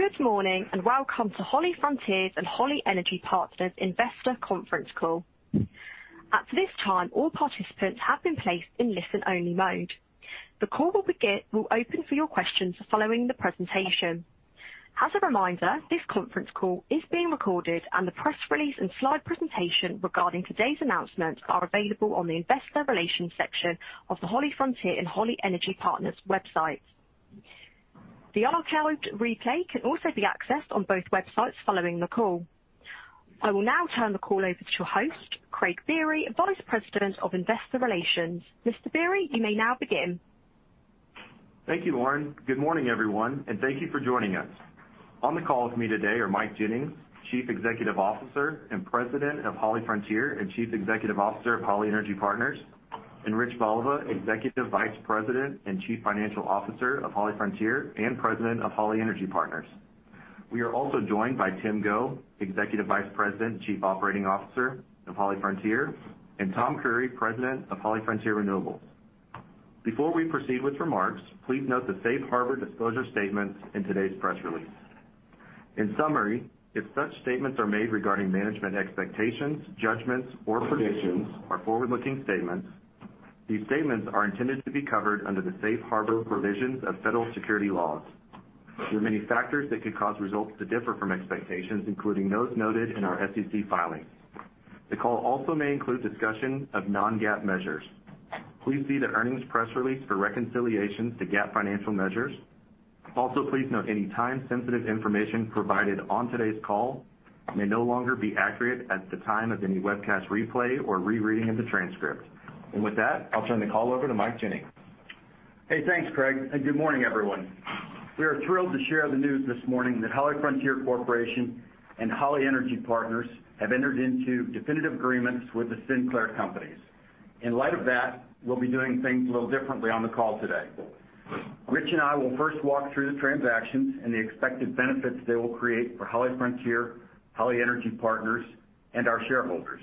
Good morning. Welcome to HollyFrontier and Holly Energy Partners investor conference call. At this time, all participants have been placed in listen-only mode. The call will open for your questions following the presentation. As a reminder, this conference call is being recorded. The press release and slide presentation regarding today's announcements are available on the investor relations section of the HollyFrontier and Holly Energy Partners websites. The archived replay can also be accessed on both websites following the call. I will now turn the call over to your host, Craig Biery, Vice President of Investor Relations. Mr. Biery, you may now begin. Thank you, Lauren. Good morning, everyone, and thank you for joining us. On the call with me today are Mike Jennings, Chief Executive Officer and President of HollyFrontier, and Chief Executive Officer of Holly Energy Partners, and Rich Voliva, Executive Vice President and Chief Financial Officer of HollyFrontier, and President of Holly Energy Partners. We are also joined by Tim Go, Executive Vice President and Chief Operating Officer of HollyFrontier, and Tom Creery, President of HollyFrontier Renewables. Before we proceed with remarks, please note the safe harbor disclosure statements in today's press release. In summary, if such statements are made regarding management expectations, judgments or predictions or forward-looking statements, these statements are intended to be covered under the safe harbor provisions of federal security laws. There are many factors that could cause results to differ from expectations, including those noted in our SEC filings. The call also may include discussion of non-GAAP measures. Please see the earnings press release for reconciliations to GAAP financial measures. Also, please note any time-sensitive information provided on today's call may no longer be accurate at the time of any webcast replay or rereading of the transcript. With that, I'll turn the call over to Mike Jennings. Hey, thanks, Craig, and good morning, everyone. We are thrilled to share the news this morning that HollyFrontier Corporation and Holly Energy Partners have entered into definitive agreements with the Sinclair companies. In light of that, we'll be doing things a little differently on the call today. Rich and I will first walk through the transactions and the expected benefits they will create for HollyFrontier, Holly Energy Partners, and our shareholders.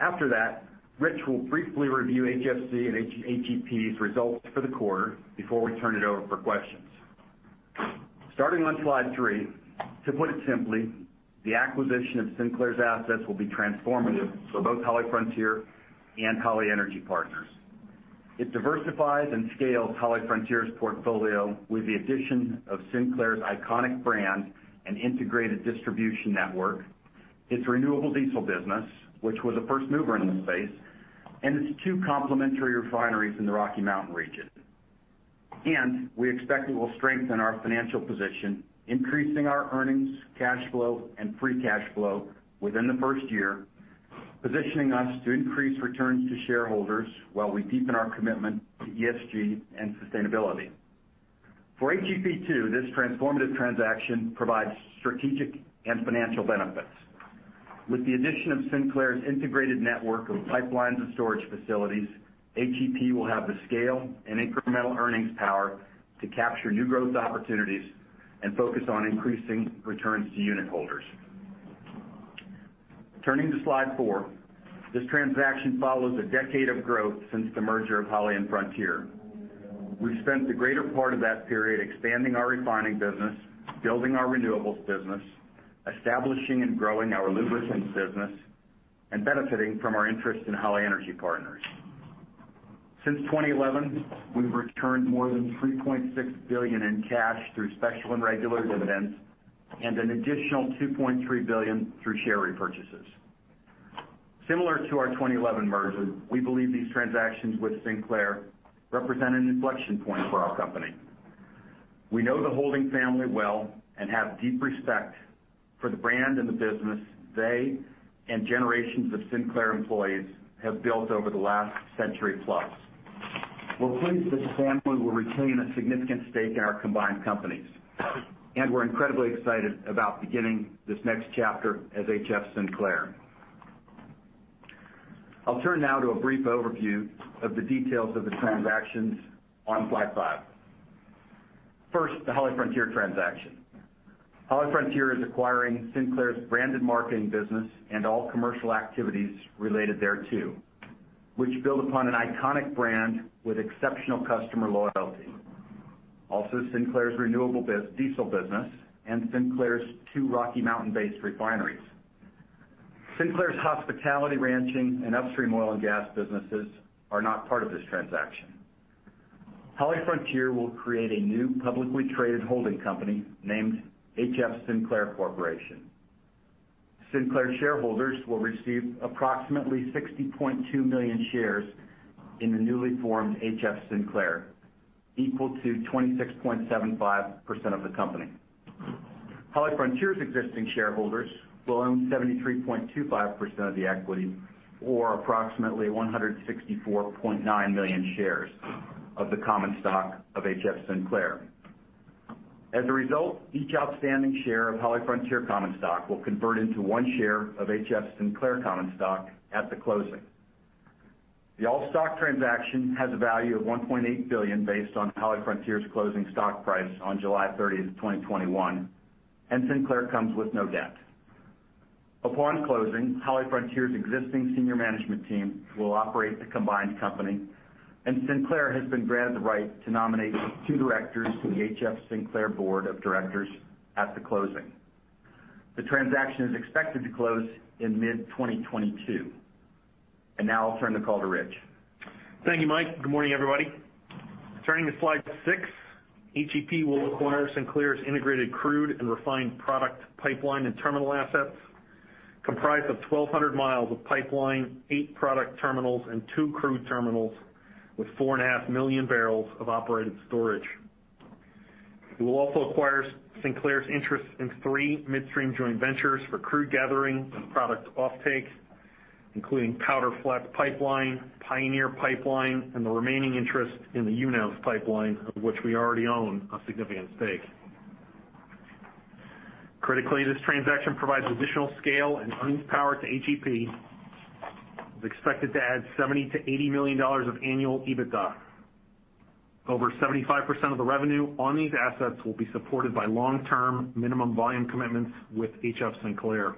After that, Rich will briefly review HFC and HEP's results for the quarter before we turn it over for questions. Starting on slide 3, to put it simply, the acquisition of Sinclair's assets will be transformative for both HollyFrontier and Holly Energy Partners. It diversifies and scales HollyFrontier's portfolio with the addition of Sinclair's iconic brand and integrated distribution network, its renewable diesel business, which was a first mover in the space, and its two complementary refineries in the Rocky Mountain region. We expect it will strengthen our financial position, increasing our earnings, cash flow, and free cash flow within the first year, positioning us to increase returns to shareholders while we deepen our commitment to ESG and sustainability. For HEP, too, this transformative transaction provides strategic and financial benefits. With the addition of Sinclair's integrated network of pipelines and storage facilities, HEP will have the scale and incremental earnings power to capture new growth opportunities and focus on increasing returns to unitholders. Turning to slide 4, this transaction follows a decade of growth since the merger of Holly and Frontier. We've spent the greater part of that period expanding our refining business, building our renewables business, establishing and growing our lubricants business, and benefiting from our interest in Holly Energy Partners. Since 2011, we've returned more than $3.6 billion in cash through special and regular dividends, and an additional $2.3 billion through share repurchases. Similar to our 2011 merger, we believe these transactions with Sinclair represent an inflection point for our company. We know the Holding family well and have deep respect for the brand and the business they and generations of Sinclair employees have built over the last century-plus. We're pleased this family will retain a significant stake in our combined companies, and we're incredibly excited about beginning this next chapter as HF Sinclair. I'll turn now to a brief overview of the details of the transactions on slide 5. First, the HollyFrontier transaction. HollyFrontier is acquiring Sinclair's branded marketing business and all commercial activities related thereto, which build upon an iconic brand with exceptional customer loyalty. Also, Sinclair's renewable diesel business and Sinclair's two Rocky Mountain-based refineries. Sinclair's hospitality, ranching, and upstream oil and gas businesses are not part of this transaction. HollyFrontier will create a new publicly traded holding company named HF Sinclair Corporation. Sinclair shareholders will receive approximately 60.2 million shares in the newly formed HF Sinclair, equal to 26.75% of the company. HollyFrontier's existing shareholders will own 73.25% of the equity, or approximately 164.9 million shares of the common stock of HF Sinclair. As a result, each outstanding share of HollyFrontier common stock will convert into one share of HF Sinclair common stock at the closing. The all-stock transaction has a value of $1.8 billion based on HollyFrontier's closing stock price on July 30th, 2021, and Sinclair comes with no debt. Upon closing, HollyFrontier's existing senior management team will operate the combined company, and Sinclair has been granted the right to nominate two directors to the HF Sinclair board of directors at the closing. The transaction is expected to close in mid-2022. Now I'll turn the call to Rich. Thank you, Mike. Good morning, everybody. Turning to slide 6, HEP will acquire Sinclair's integrated crude and refined product pipeline and terminal assets, comprised of 1,200 miles of pipeline, eight product terminals and two crude terminals with 4.5 million barrels of operated storage. It will also acquire Sinclair's interest in three midstream joint ventures for crude gathering and product offtake, including Powder Flats Pipeline, Pioneer Pipeline, and the remaining interest in the UNEV Pipeline, of which we already own a significant stake. Critically, this transaction provides additional scale and earnings power to HEP. It's expected to add $70 million-$80 million of annual EBITDA. Over 75% of the revenue on these assets will be supported by long-term minimum volume commitments with HF Sinclair.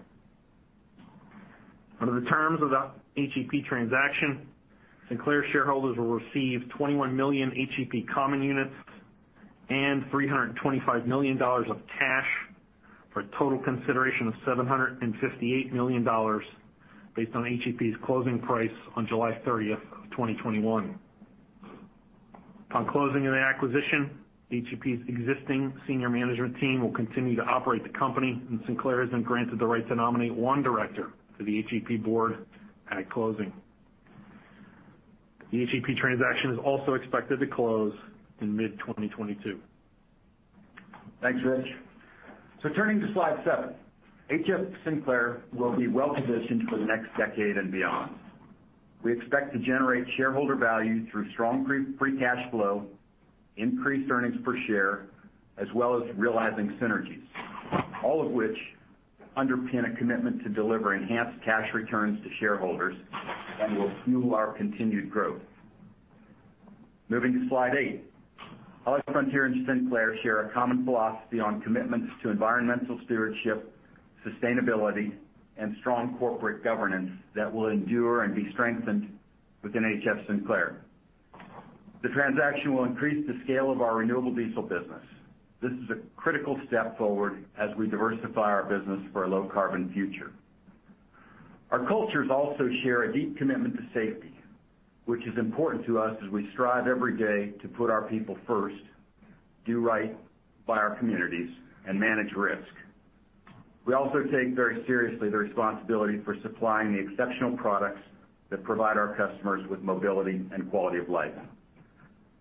Under the terms of the HEP transaction, Sinclair shareholders will receive 21 million HEP common units and $325 million of cash for a total consideration of $758 million based on HEP's closing price on July 30th of 2021. Upon closing of the acquisition, HEP's existing senior management team will continue to operate the company, and Sinclair has been granted the right to nominate one director to the HEP board at closing. The HEP transaction is also expected to close in mid-2022. Thanks, Rich. Turning to slide 7, HF Sinclair will be well-positioned for the next decade and beyond. We expect to generate shareholder value through strong free cash flow, increased earnings per share, as well as realizing synergies, all of which underpin a commitment to deliver enhanced cash returns to shareholders and will fuel our continued growth. Moving to slide 8. HollyFrontier and Sinclair share a common philosophy on commitments to environmental stewardship, sustainability, and strong corporate governance that will endure and be strengthened within HF Sinclair. The transaction will increase the scale of our renewable diesel business. This is a critical step forward as we diversify our business for a low-carbon future. Our cultures also share a deep commitment to safety, which is important to us as we strive every day to put our people first, do right by our communities, and manage risk. We also take very seriously the responsibility for supplying the exceptional products that provide our customers with mobility and quality of life.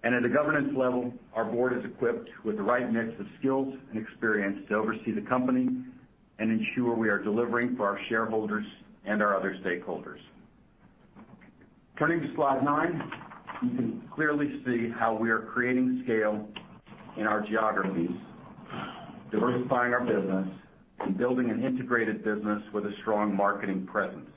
At the governance level, our board is equipped with the right mix of skills and experience to oversee the company and ensure we are delivering for our shareholders and our other stakeholders. Turning to slide 9, you can clearly see how we are creating scale in our geographies, diversifying our business, and building an integrated business with a strong marketing presence.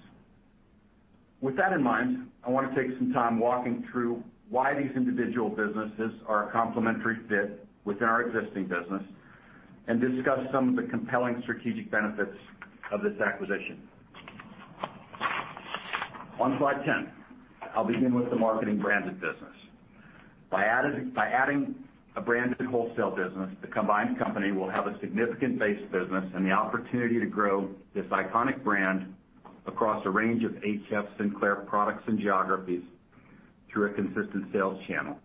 With that in mind, I want to take some time walking through why these individual businesses are a complementary fit within our existing business and discuss some of the compelling strategic benefits of this acquisition. On slide 10, I'll begin with the marketing branded business. By adding a branded wholesale business, the combined company will have a significant base business and the opportunity to grow this iconic brand across a range of HF Sinclair products and geographies through a consistent sales channel.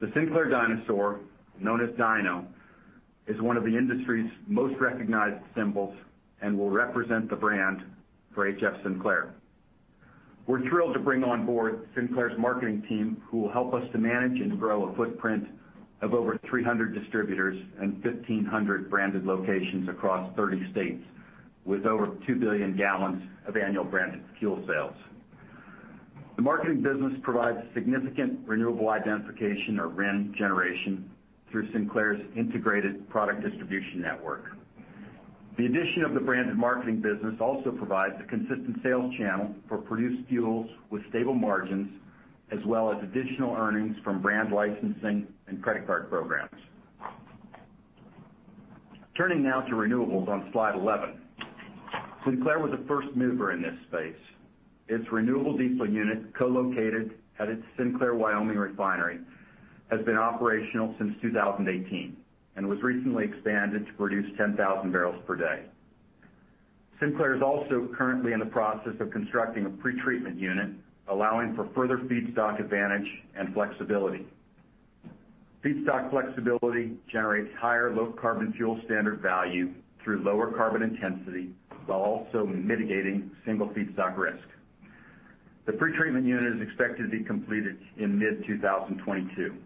The Sinclair dinosaur, known as Dino, is one of the industry's most recognized symbols and will represent the brand for HF Sinclair. We're thrilled to bring on board Sinclair's marketing team, who will help us to manage and grow a footprint of over 300 distributors and 1,500 branded locations across 30 states, with over 2 billion gallons of annual branded fuel sales. The marketing business provides significant renewable identification or RIN generation through Sinclair's integrated product distribution network. The addition of the branded marketing business also provides a consistent sales channel for produced fuels with stable margins, as well as additional earnings from brand licensing and credit card programs. Turning now to renewables on slide 11. Sinclair was a first mover in this space. Its renewable diesel unit, co-located at its Sinclair, Wyoming refinery, has been operational since 2018 and was recently expanded to produce 10,000 barrels per day. Sinclair is also currently in the process of constructing a pretreatment unit, allowing for further feedstock advantage and flexibility. Feedstock flexibility generates higher Low Carbon Fuel Standard value through lower carbon intensity, while also mitigating single feedstock risk. The pretreatment unit is expected to be completed in mid-2022.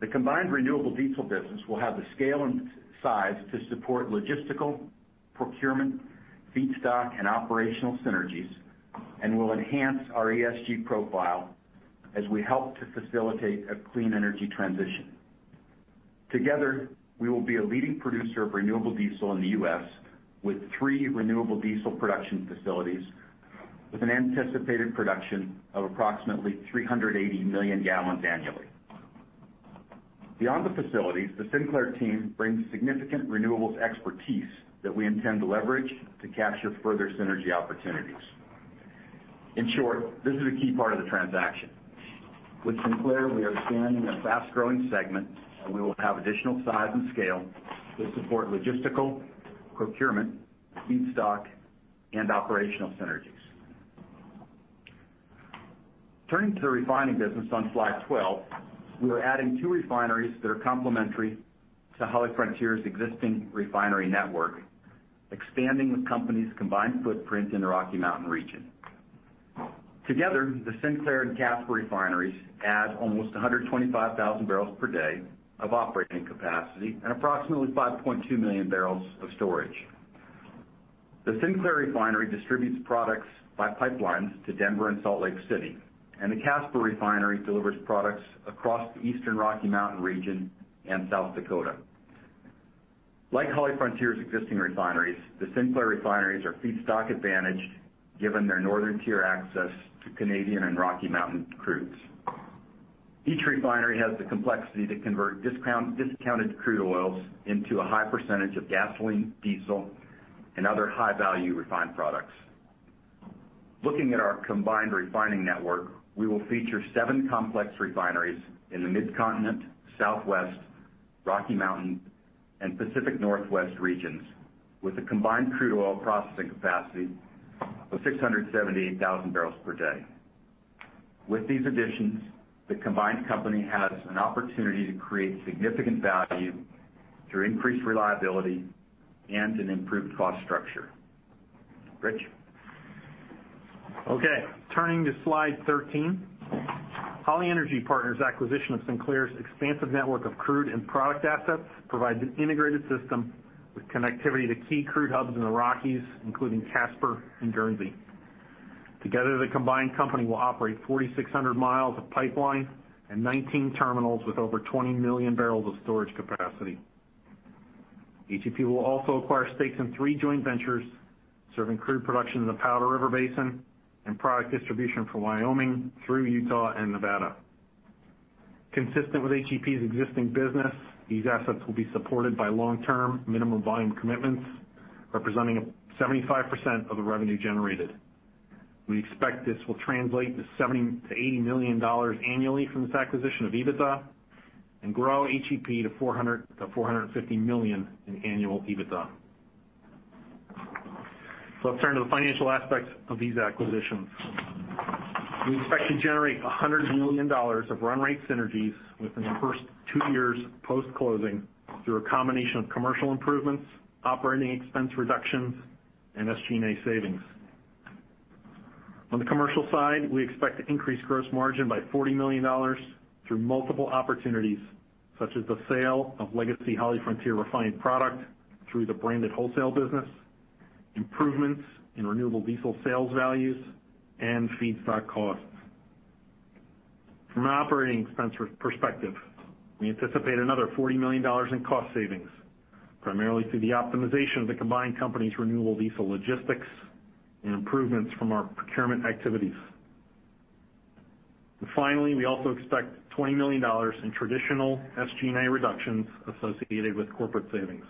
The combined renewable diesel business will have the scale and size to support logistical, procurement, feedstock, and operational synergies and will enhance our ESG profile as we help to facilitate a clean energy transition. Together, we will be a leading producer of renewable diesel in the U.S. with three renewable diesel production facilities with an anticipated production of approximately 380 million gallons annually. Beyond the facilities, the Sinclair team brings significant renewables expertise that we intend to leverage to capture further synergy opportunities. In short, this is a key part of the transaction. With Sinclair, we are expanding a fast-growing segment, and we will have additional size and scale to support logistical, procurement, feedstock, and operational synergies. Turning to the refining business on slide 12, we are adding two refineries that are complementary to HollyFrontier's existing refinery network, expanding the company's combined footprint in the Rocky Mountain region. Together, the Sinclair and Casper refineries add almost 125,000 barrels per day of operating capacity and approximately 5.2 million barrels of storage. The Sinclair refinery distributes products by pipelines to Denver and Salt Lake City, and the Casper refinery delivers products across the Eastern Rocky Mountain region and South Dakota. Like HollyFrontier's existing refineries, the Sinclair refineries are feedstock advantaged given their northern tier access to Canadian and Rocky Mountain crudes. Each refinery has the complexity to convert discounted crude oils into a high percentage of gasoline, diesel, and other high-value refined products. Looking at our combined refining network, we will feature seven complex refineries in the Mid-Continent, Southwest, Rocky Mountain, and Pacific Northwest regions with a combined crude oil processing capacity of 678,000 barrels per day. With these additions, the combined company has an opportunity to create significant value through increased reliability and an improved cost structure. Rich? Okay, turning to slide 13. Holly Energy Partners' acquisition of Sinclair's expansive network of crude and product assets provides an integrated system with connectivity to key crude hubs in the Rockies, including Casper and Guernsey. Together, the combined company will operate 4,600 miles of pipeline and 19 terminals with over 20 million barrels of storage capacity. HEP will also acquire stakes in three joint ventures serving crude production in the Powder River Basin and product distribution from Wyoming through Utah and Nevada. Consistent with HEP's existing business, these assets will be supported by long-term minimum volume commitments representing 75% of the revenue generated. We expect this will translate to $70 million-$80 million annually from this acquisition of EBITDA and grow HEP to $400 million-$450 million in annual EBITDA. Let's turn to the financial aspects of these acquisitions. We expect to generate $100 million of run rate synergies within the first two years post-closing through a combination of commercial improvements, operating expense reductions, and SG&A savings. On the commercial side, we expect to increase gross margin by $40 million through multiple opportunities, such as the sale of legacy HollyFrontier refined product through the branded wholesale business, improvements in renewable diesel sales values, and feedstock costs. From an operating expense perspective, we anticipate another $40 million in cost savings, primarily through the optimization of the combined company's renewable diesel logistics and improvements from our procurement activities. Finally, we also expect $20 million in traditional SG&A reductions associated with corporate savings.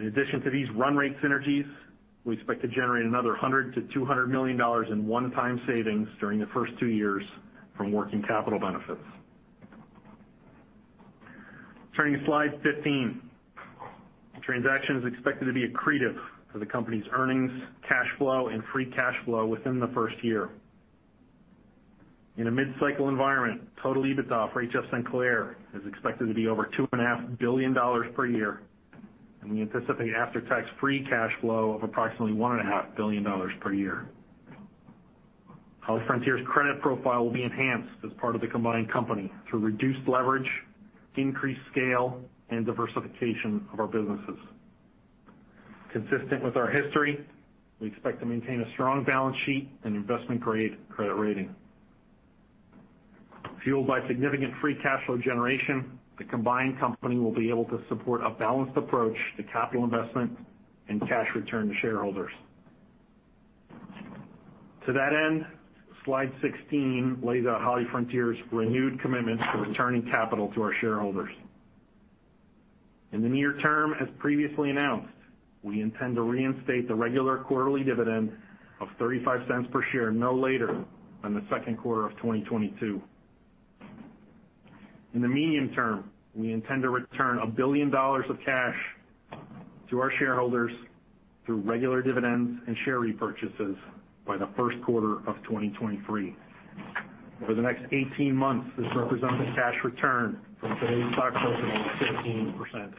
In addition to these run rate synergies, we expect to generate another $100 million-$200 million in one-time savings during the first two years from working capital benefits. Turning to slide 15. The transaction is expected to be accretive to the company's earnings, cash flow, and free cash flow within the first year. In a mid-cycle environment, total EBITDA for HF Sinclair is expected to be over $2.5 billion per year, and we anticipate after-tax free cash flow of approximately $1.5 billion per year. HollyFrontier's credit profile will be enhanced as part of the combined company through reduced leverage, increased scale, and diversification of our businesses. Consistent with our history, we expect to maintain a strong balance sheet and investment-grade credit rating. Fueled by significant free cash flow generation, the combined company will be able to support a balanced approach to capital investment and cash return to shareholders. To that end, slide 16 lays out HollyFrontier's renewed commitment to returning capital to our shareholders. In the near term, as previously announced, we intend to reinstate the regular quarterly dividend of $0.35 per share no later than the second quarter of 2022. In the medium term, we intend to return $1 billion of cash to our shareholders through regular dividends and share repurchases by the first quarter of 2023. Over the next 18 months, this represents a cash return from today's stock price of over 15%.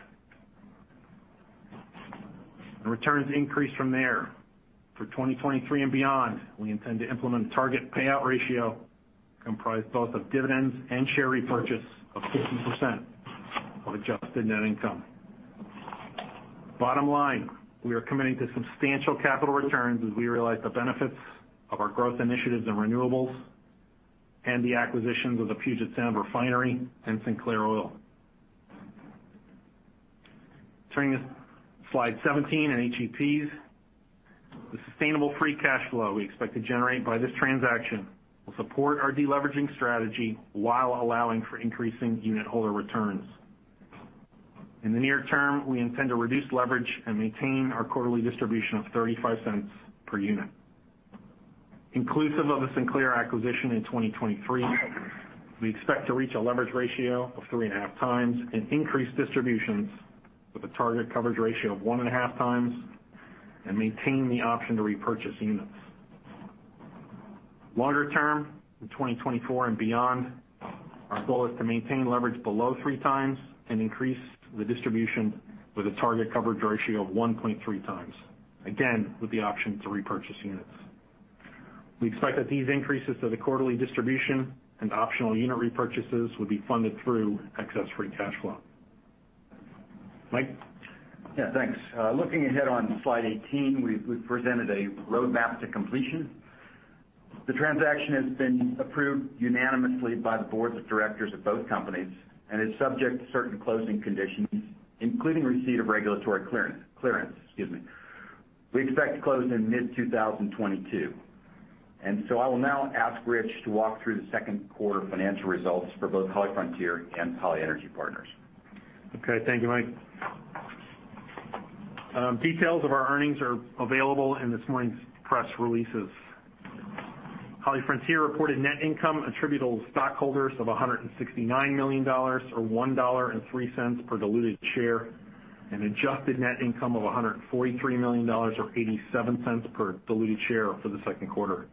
Returns increase from there. For 2023 and beyond, we intend to implement a target payout ratio comprised both of dividends and share repurchase of 50% of adjusted net income. Bottom line, we are committing to substantial capital returns as we realize the benefits of our growth initiatives in renewables and the acquisitions of the Puget Sound Refinery and Sinclair Oil. Turning to slide 17 on HEP. The sustainable free cash flow we expect to generate by this transaction will support our de-leveraging strategy while allowing for increasing unit holder returns. In the near term, we intend to reduce leverage and maintain our quarterly distribution of $0.35 per unit. Inclusive of the Sinclair acquisition in 2023, we expect to reach a leverage ratio of 3.5x and increase distributions with a target coverage ratio of 1.5x and maintain the option to repurchase units. Longer term, in 2024 and beyond, our goal is to maintain leverage below 3x and increase the distribution with a target coverage ratio of 1.3x, again, with the option to repurchase units. We expect that these increases to the quarterly distribution and optional unit repurchases will be funded through excess free cash flow. Mike? Yeah, thanks. Looking ahead on slide 18, we've presented a roadmap to completion. The transaction has been approved unanimously by the boards of directors of both companies and is subject to certain closing conditions, including receipt of regulatory clearance. We expect to close in mid-2022. I will now ask Rich to walk through the second quarter financial results for both HollyFrontier and Holly Energy Partners. Thank you, Mike. Details of our earnings are available in this morning's press releases. HollyFrontier reported net income attributable to stockholders of $169 million or $1.03 per diluted share, and adjusted net income of $143 million or $0.87 per diluted share for the second quarter.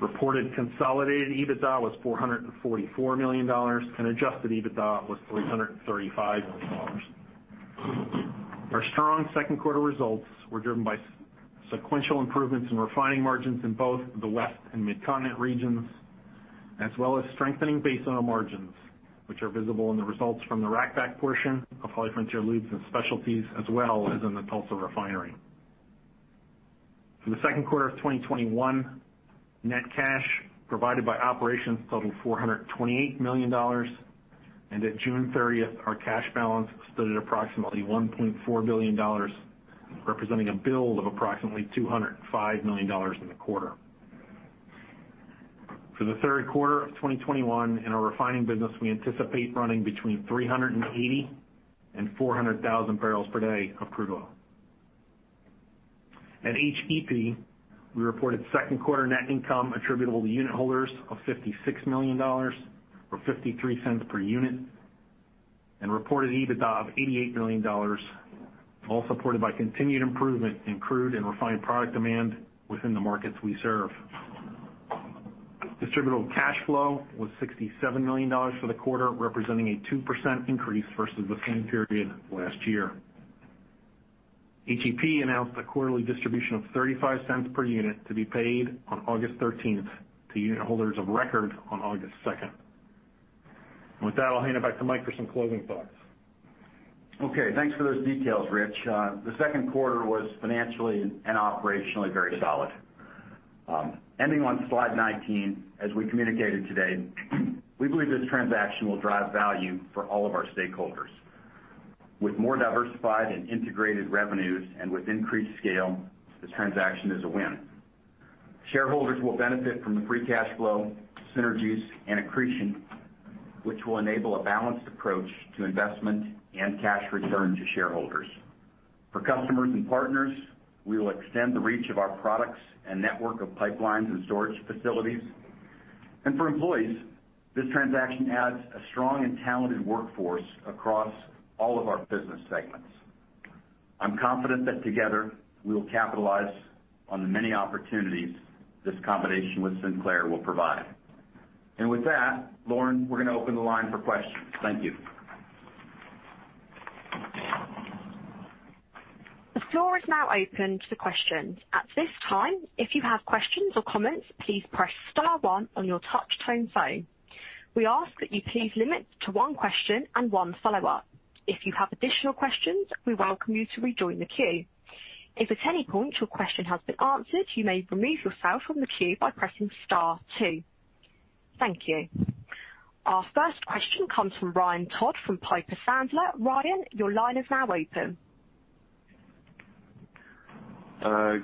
Reported consolidated EBITDA was $444 million, and adjusted EBITDA was $335 million. Our strong second quarter results were driven by sequential improvements in refining margins in both the West and Mid-Continent regions, as well as strengthening base oil margins, which are visible in the results from the Rack Forward portion of HollyFrontier Lubricants & Specialties, as well as in the Tulsa refinery. For the second quarter of 2021, net cash provided by operations totaled $428 million, and at June 30th, our cash balance stood at approximately $1.4 billion, representing a build of approximately $205 million in the quarter. For the third quarter of 2021, in our refining business, we anticipate running between 380,000 and 400,000 barrels per day of crude oil. At HEP, we reported second quarter net income attributable to unit holders of $56 million or $0.53 per unit, and reported EBITDA of $88 million, all supported by continued improvement in crude and refined product demand within the markets we serve. Distributable cash flow was $67 million for the quarter, representing a 2% increase versus the same period last year. HEP announced a quarterly distribution of $0.35 per unit to be paid on August 13th to unit holders of record on August 2nd. With that, I'll hand it back to Mike for some closing thoughts. Okay, thanks for those details, Rich. The second quarter was financially and operationally very solid. Ending on slide 19, as we communicated today, we believe this transaction will drive value for all of our stakeholders. With more diversified and integrated revenues and with increased scale, this transaction is a win. Shareholders will benefit from the free cash flow, synergies, and accretion, which will enable a balanced approach to investment and cash return to shareholders. For customers and partners, we will extend the reach of our products and network of pipelines and storage facilities. For employees, this transaction adds a strong and talented workforce across all of our business segments. I'm confident that together we will capitalize on the many opportunities this combination with Sinclair will provide. With that, Lauren, we're going to open the line for questions. Thank you. The floor is now open to questions. At this time, if you have questions or comments, please press star one on your touch tone phone. We ask that you please limit to one question and one follow-up. If you have additional questions, we welcome you to rejoin the queue. If at any point your question has been answered, you may remove yourself from the queue by pressing star one. Thank you. Our first question comes from Ryan Todd from Piper Sandler. Ryan, your line is now open.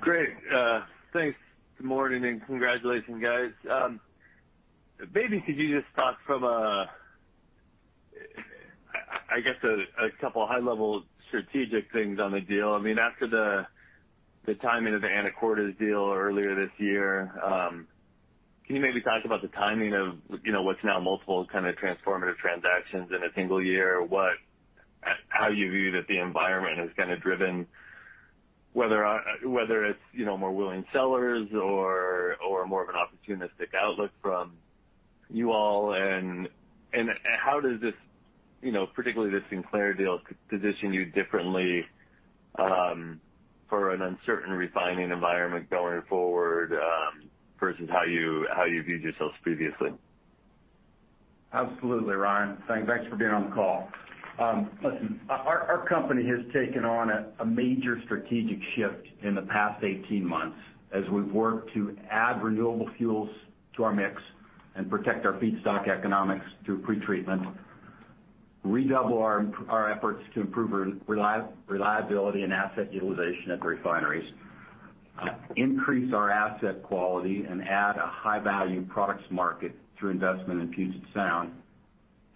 Great. Thanks. Good morning, and congratulations, guys. Maybe could you just talk from a, I guess, a couple high-level strategic things on the deal. After the timing of the Anacortes deal earlier this year, can you maybe talk about the timing of what's now multiple kind of transformative transactions in a single year? How you view that the environment has kind of driven, whether it's more willing sellers or more of an opportunistic outlook from you all, and how does this, particularly this Sinclair deal, position you differently for an uncertain refining environment going forward versus how you viewed yourselves previously? Absolutely, Ryan. Thanks for being on the call. Listen, our company has taken on a major strategic shift in the past 18 months as we've worked to add renewable fuels to our mix and protect our feedstock economics through pretreatment, redouble our efforts to improve reliability and asset utilization at the refineries, increase our asset quality, and add a high-value products market through investment in Puget Sound.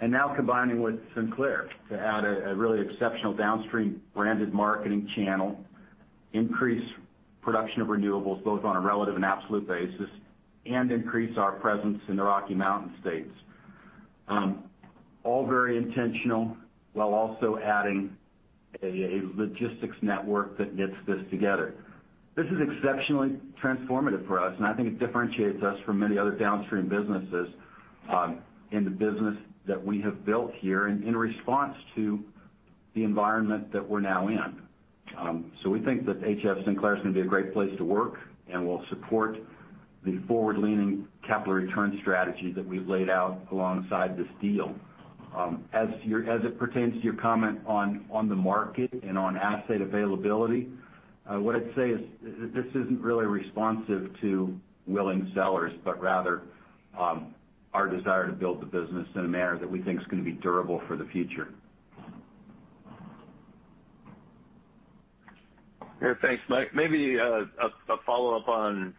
Now combining with Sinclair to add a really exceptional downstream branded marketing channel, increase production of renewables, both on a relative and absolute basis, and increase our presence in the Rocky Mountain states. All very intentional, while also adding a logistics network that knits this together. This is exceptionally transformative for us, and I think it differentiates us from many other downstream businesses in the business that we have built here in response to the environment that we're now in. We think that HF Sinclair is going to be a great place to work, and will support the forward-leaning capital return strategy that we've laid out alongside this deal. As it pertains to your comment on the market and on asset availability, what I'd say is this isn't really responsive to willing sellers, but rather our desire to build the business in a manner that we think is going to be durable for the future. Thanks, Mike. Maybe a follow-up on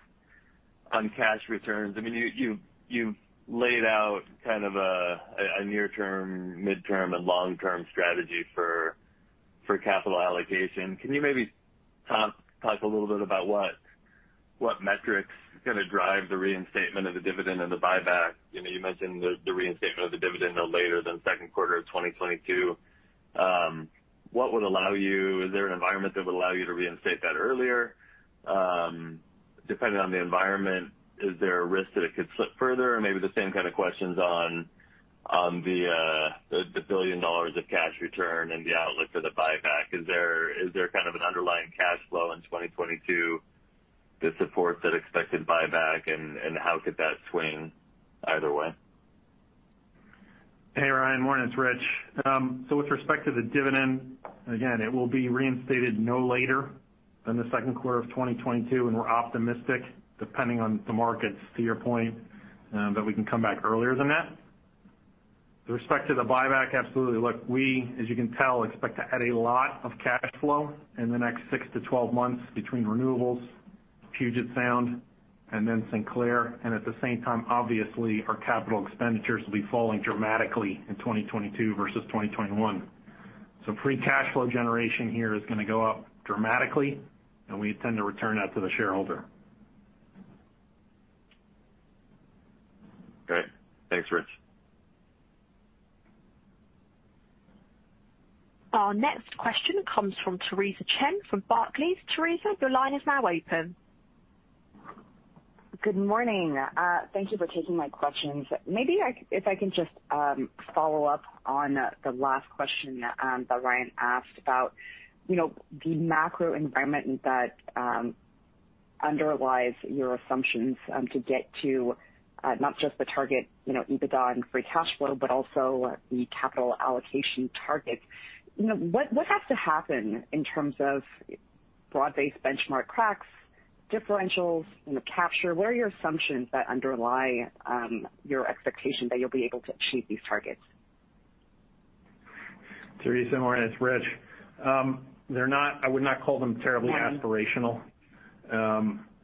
cash returns. You've laid out kind of a near-term, mid-term, and long-term strategy for capital allocation. Can you maybe talk a little bit about what metrics are going to drive the reinstatement of the dividend and the buyback? You mentioned the reinstatement of the dividend no later than the second quarter of 2022. Is there an environment that would allow you to reinstate that earlier? Depending on the environment, is there a risk that it could slip further? Maybe the same kind of questions on the $1 billion of cash return and the outlook for the buyback. Is there kind of an underlying cash flow in 2022 to support that expected buyback, and how could that swing either way? Hey, Ryan. Morning. It's Rich. With respect to the dividend, again, it will be reinstated no later than the second quarter of 2022, and we're optimistic, depending on the markets, to your point, that we can come back earlier than that. With respect to the buyback, absolutely. Look, we, as you can tell, expect to add a lot of cash flow in the next 6-12 months between Renewables, Puget Sound, and then Sinclair. At the same time, obviously, our capital expenditures will be falling dramatically in 2022 versus 2021. Free cash flow generation here is going to go up dramatically, and we intend to return that to the shareholder. Great. Thanks, Rich. Our next question comes from Theresa Chen from Barclays. Theresa, your line is now open. Good morning. Thank you for taking my questions. Maybe if I can just follow up on the last question that Ryan asked about the macro environment that underlies your assumptions to get to not just the target EBITDA and free cash flow, but also the capital allocation targets. What has to happen in terms of broad-based benchmark cracks, differentials in the capture? What are your assumptions that underlie your expectation that you'll be able to achieve these targets? Theresa, morning. It's Rich. I would not call them terribly aspirational.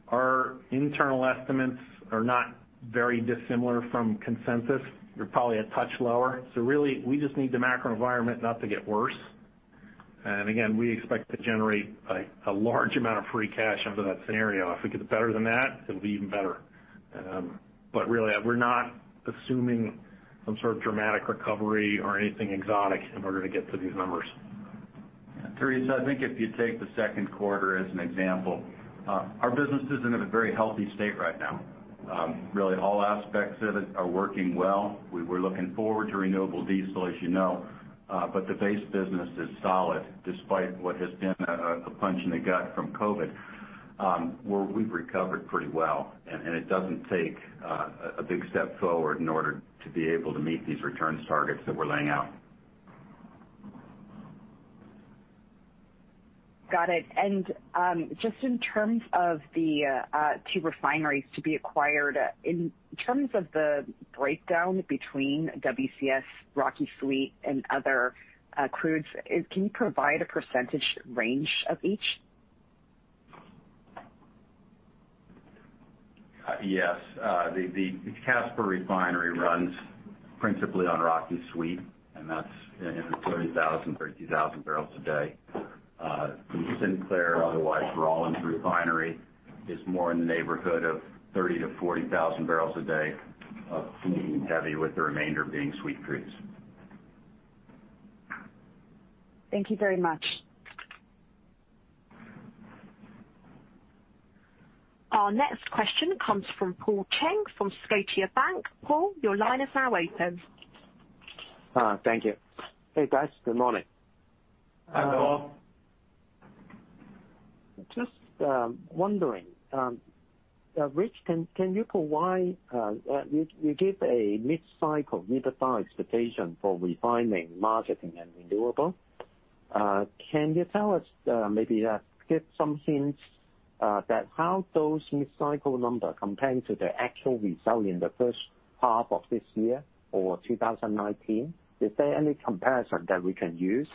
Our internal estimates are not very dissimilar from consensus. They're probably a touch lower. Really, we just need the macro environment not to get worse. Again, we expect to generate a large amount of free cash under that scenario. If it gets better than that, it'll be even better. Really, we're not assuming some sort of dramatic recovery or anything exotic in order to get to these numbers. Theresa, I think if you take the second quarter as an example, our business is in a very healthy state right now. Really, all aspects of it are working well. We were looking forward to renewable diesel, as you know, but the base business is solid, despite what has been a punch in the gut from COVID, where we've recovered pretty well, and it doesn't take a big step forward in order to be able to meet these returns targets that we're laying out. Got it. Just in terms of the two refineries to be acquired, in terms of the breakdown between WCS, Rocky Sweet, and other crudes, can you provide a percentage range of each? Yes. The Casper refinery runs principally on Rocky Sweet, and that's in the 30,000 barrels a day. The Sinclair, otherwise Rawlins refinery, is more in the neighborhood of 30,000-40,000 barrels a day of heavy, with the remainder being sweet crudes. Thank you very much. Our next question comes from Paul Cheng from Scotiabank. Paul, your line is now open. Thank you. Hey, guys. Good morning. Hi, Paul. Just wondering, Rich, you give a mid-cycle expectation for refining, marketing, and renewable. Can you tell us, maybe give some hints, how those mid-cycle numbers compare to the actual result in the first half of this year or 2019? Is there any comparison that we can use?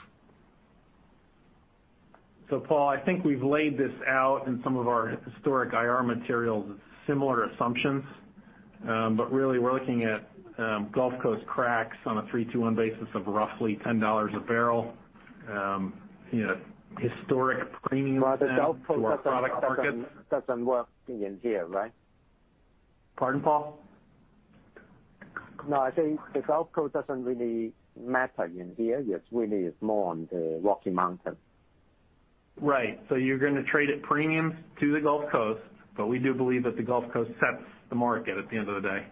Paul, I think we've laid this out in some of our historic IR materials with similar assumptions. Really, we're looking at Gulf Coast cracks on a 3-2-1 basis of roughly $10 a barrel. Historic premiums then to our product market. Well, the Gulf Coast doesn't work in here, right? Pardon, Paul? No, I said the Gulf Coast doesn't really matter in here. It's more on the Rocky Mountain. Right. You're going to trade at premiums to the Gulf Coast, but we do believe that the Gulf Coast sets the market at the end of the day,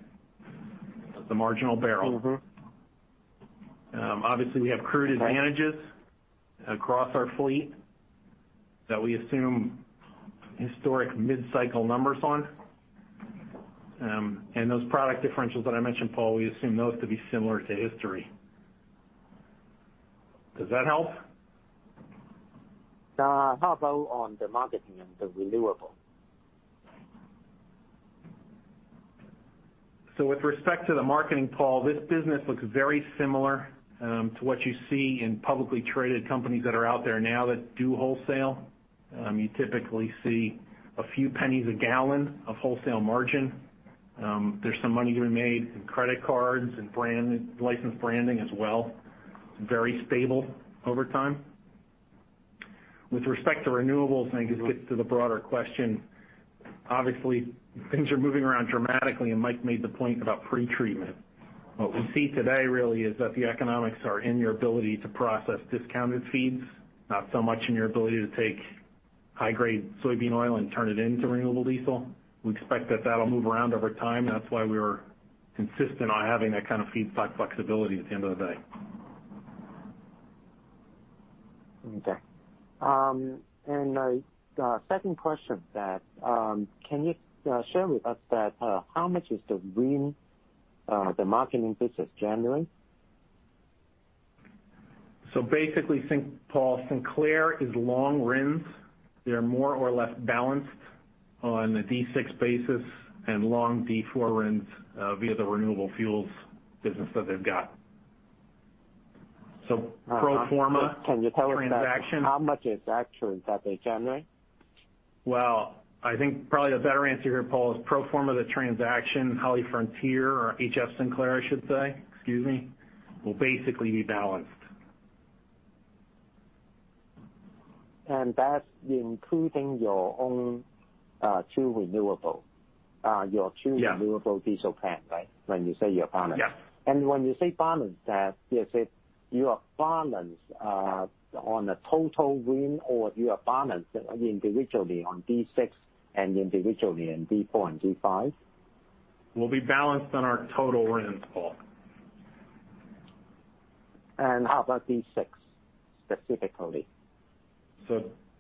the marginal barrel. Obviously, we have crude advantages across our fleet that we assume historic mid-cycle numbers on. Those product differentials that I mentioned, Paul, we assume those to be similar to history. Does that help? How about on the marketing and the renewable? With respect to the marketing, Paul, this business looks very similar to what you see in publicly traded companies that are out there now that do wholesale. You typically see a few pennies a gallon of wholesale margin. There's some money to be made in credit cards and licensed branding as well. Very stable over time. With respect to renewables, and I guess we get to the broader question, obviously, things are moving around dramatically, and Mike made the point about pretreatment. What we see today really is that the economics are in your ability to process discounted feeds, not so much in your ability to take high-grade soybean oil and turn it into renewable diesel. We expect that'll move around over time. That's why we were consistent on having that kind of feedstock flexibility at the end of the day. Okay. A second question. Can you share with us how much is the RIN, the marketing business generating? Basically, Paul, Sinclair is long RINs. They're more or less balanced on a D6 basis and long D4 RINs via the renewable fuels business that they've got. Can you tell us how much is actually that they generate? I think probably the better answer here, Paul, is pro forma the transaction, HollyFrontier or HF Sinclair, I should say, excuse me, will basically be balanced. That's including your own two renewable. Yeah. Your two renewable diesel plant, right? When you say you are balanced. Yeah. When you say balanced, is it you are balanced on the total RIN or you are balanced individually on D6 and individually in D4 and D5? We'll be balanced on our total RINs, Paul. How about D6 specifically?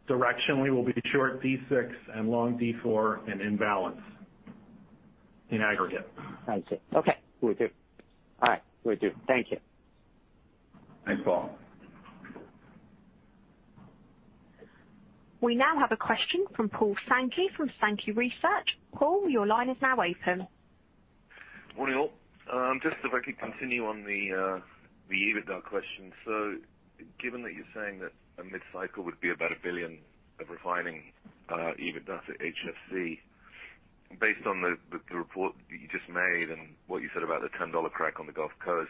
Directionally, we'll be short D6 and long D4 and in balance in aggregate. I see. Okay. Will do. All right. Will do. Thank you. Thanks, Paul. We now have a question from Paul Sankey from Sankey Research. Paul, your line is now open. Morning, all. Just if I could continue on the EBITDA question. Given that you're saying that a mid-cycle would be about $1 billion of refining EBITDA to HFC, based on the report that you just made and what you said about the $10 crack on the Gulf Coast,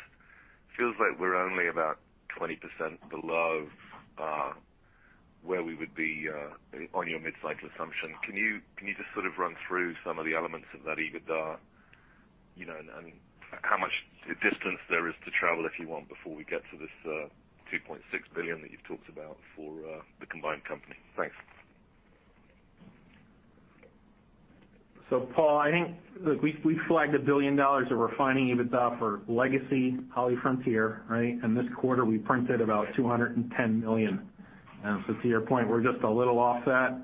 feels like we're only about 20% below where we would be on your mid-cycle assumption. Can you just sort of run through some of the elements of that EBITDA? How much distance there is to travel, if you want, before we get to this $2.6 billion that you've talked about for the combined company? Thanks. Paul, I think, look, we flagged $1 billion of refining EBITDA for legacy HollyFrontier. This quarter, we printed about $210 million. To your point, we're just a little off that.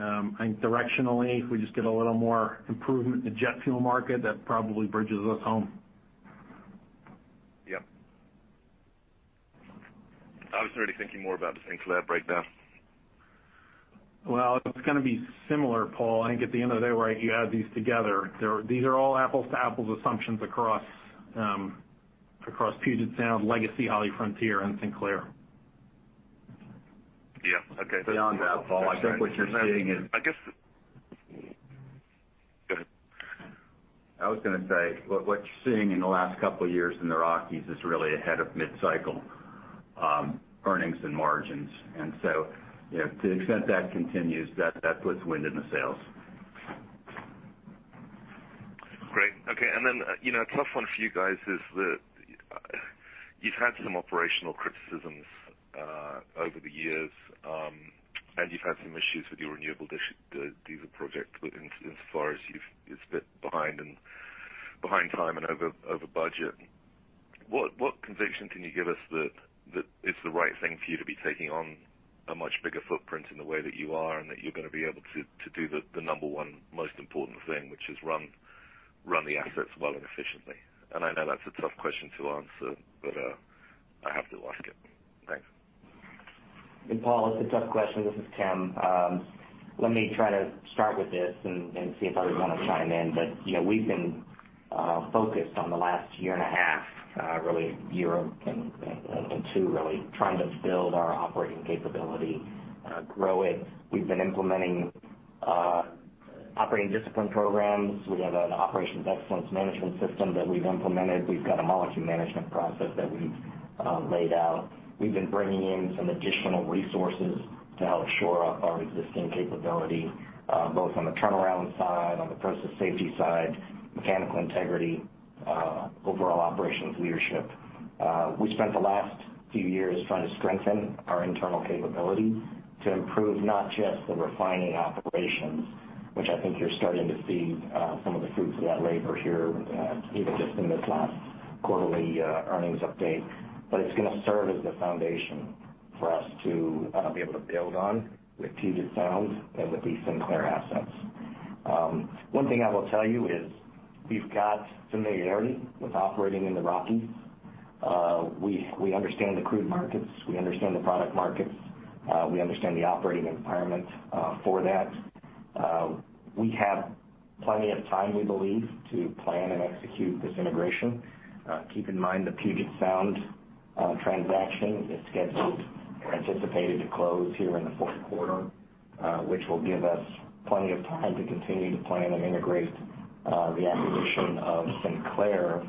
I think directionally, if we just get a little more improvement in the jet fuel market, that probably bridges us home. Yep. I was really thinking more about the Sinclair breakdown. Well, it's going to be similar, Paul. I think at the end of the day, you add these together. These are all apples to apples assumptions across Puget Sound, legacy HollyFrontier, and Sinclair. Yeah. Okay. Beyond that, Paul, I think what you're seeing is. Go ahead. I was going to say, what you're seeing in the last couple of years in the Rockies is really ahead of mid-cycle earnings and margins. To the extent that continues, that puts wind in the sails. Great. Okay. A tough one for you guys is that you've had some operational criticisms over the years, and you've had some issues with your renewable diesel project, as far as it's a bit behind time and over budget. What conviction can you give us that it's the right thing for you to be taking on a much bigger footprint in the way that you are and that you're going to be able to do the number one most important thing, which is run the assets well and efficiently. I know that's a tough question to answer, but I have to ask it. Thanks. Paul, it's a tough question. This is Tim. Let me try to start with this and see if others want to chime in. We've been focused on the last one and a half years, really year and two really, trying to build our operating capability, grow it. We've been implementing operating discipline programs. We have an Operations Excellence Management System that we've implemented. We've got a Molecule Management Process that we've laid out. We've been bringing in some additional resources to help shore up our existing capability, both on the turnaround side, on the process safety side, mechanical integrity, overall operations leadership. We spent the last few years trying to strengthen our internal capability to improve, not just the refining operations, which I think you're starting to see some of the fruits of that labor here, even just in this last quarterly earnings update. It's going to serve as the foundation for us to be able to build on with Puget Sound and with these Sinclair assets. One thing I will tell you is we've got familiarity with operating in the Rockies. We understand the crude markets. We understand the product markets. We understand the operating environment for that. We have plenty of time, we believe, to plan and execute this integration. Keep in mind, the Puget Sound transaction is scheduled, anticipated to close here in the fourth quarter, which will give us plenty of time to continue to plan and integrate the acquisition of Sinclair,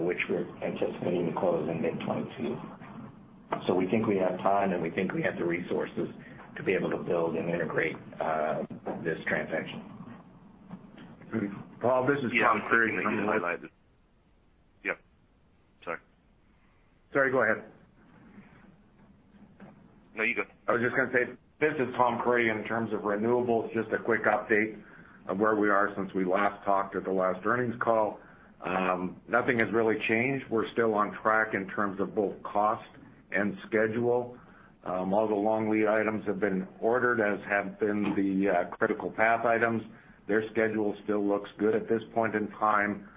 which we're anticipating to close in mid-2022. We think we have time, and we think we have the resources to be able to build and integrate this transaction. Paul, this is Tom Creery. Yeah, I'm curious what you highlighted. Yep. Sorry. Sorry, go ahead. No, you go. I was just going to say, this is Tom Creery. In terms of renewables, just a quick update of where we are since we last talked at the last earnings call. Nothing has really changed. We're still on track in terms of both cost and schedule. All the long-lead items have been ordered, as have been the critical path items. Their schedule still looks good at this point in time.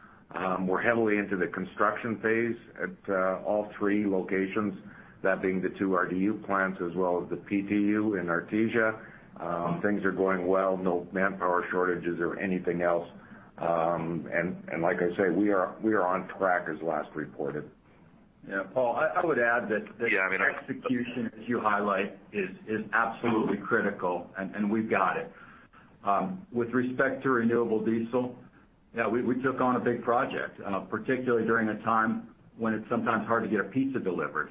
We're heavily into the construction phase at all three locations, that being the two RDU plants as well as the PTU in Artesia. Things are going well, no manpower shortages or anything else. Like I say, we are on track as last reported. Yeah. Paul, I would add that. Yeah, I mean. Execution, as you highlight, is absolutely critical, and we've got it. With respect to renewable diesel, yeah, we took on a big project, particularly during a time when it's sometimes hard to get a pizza delivered.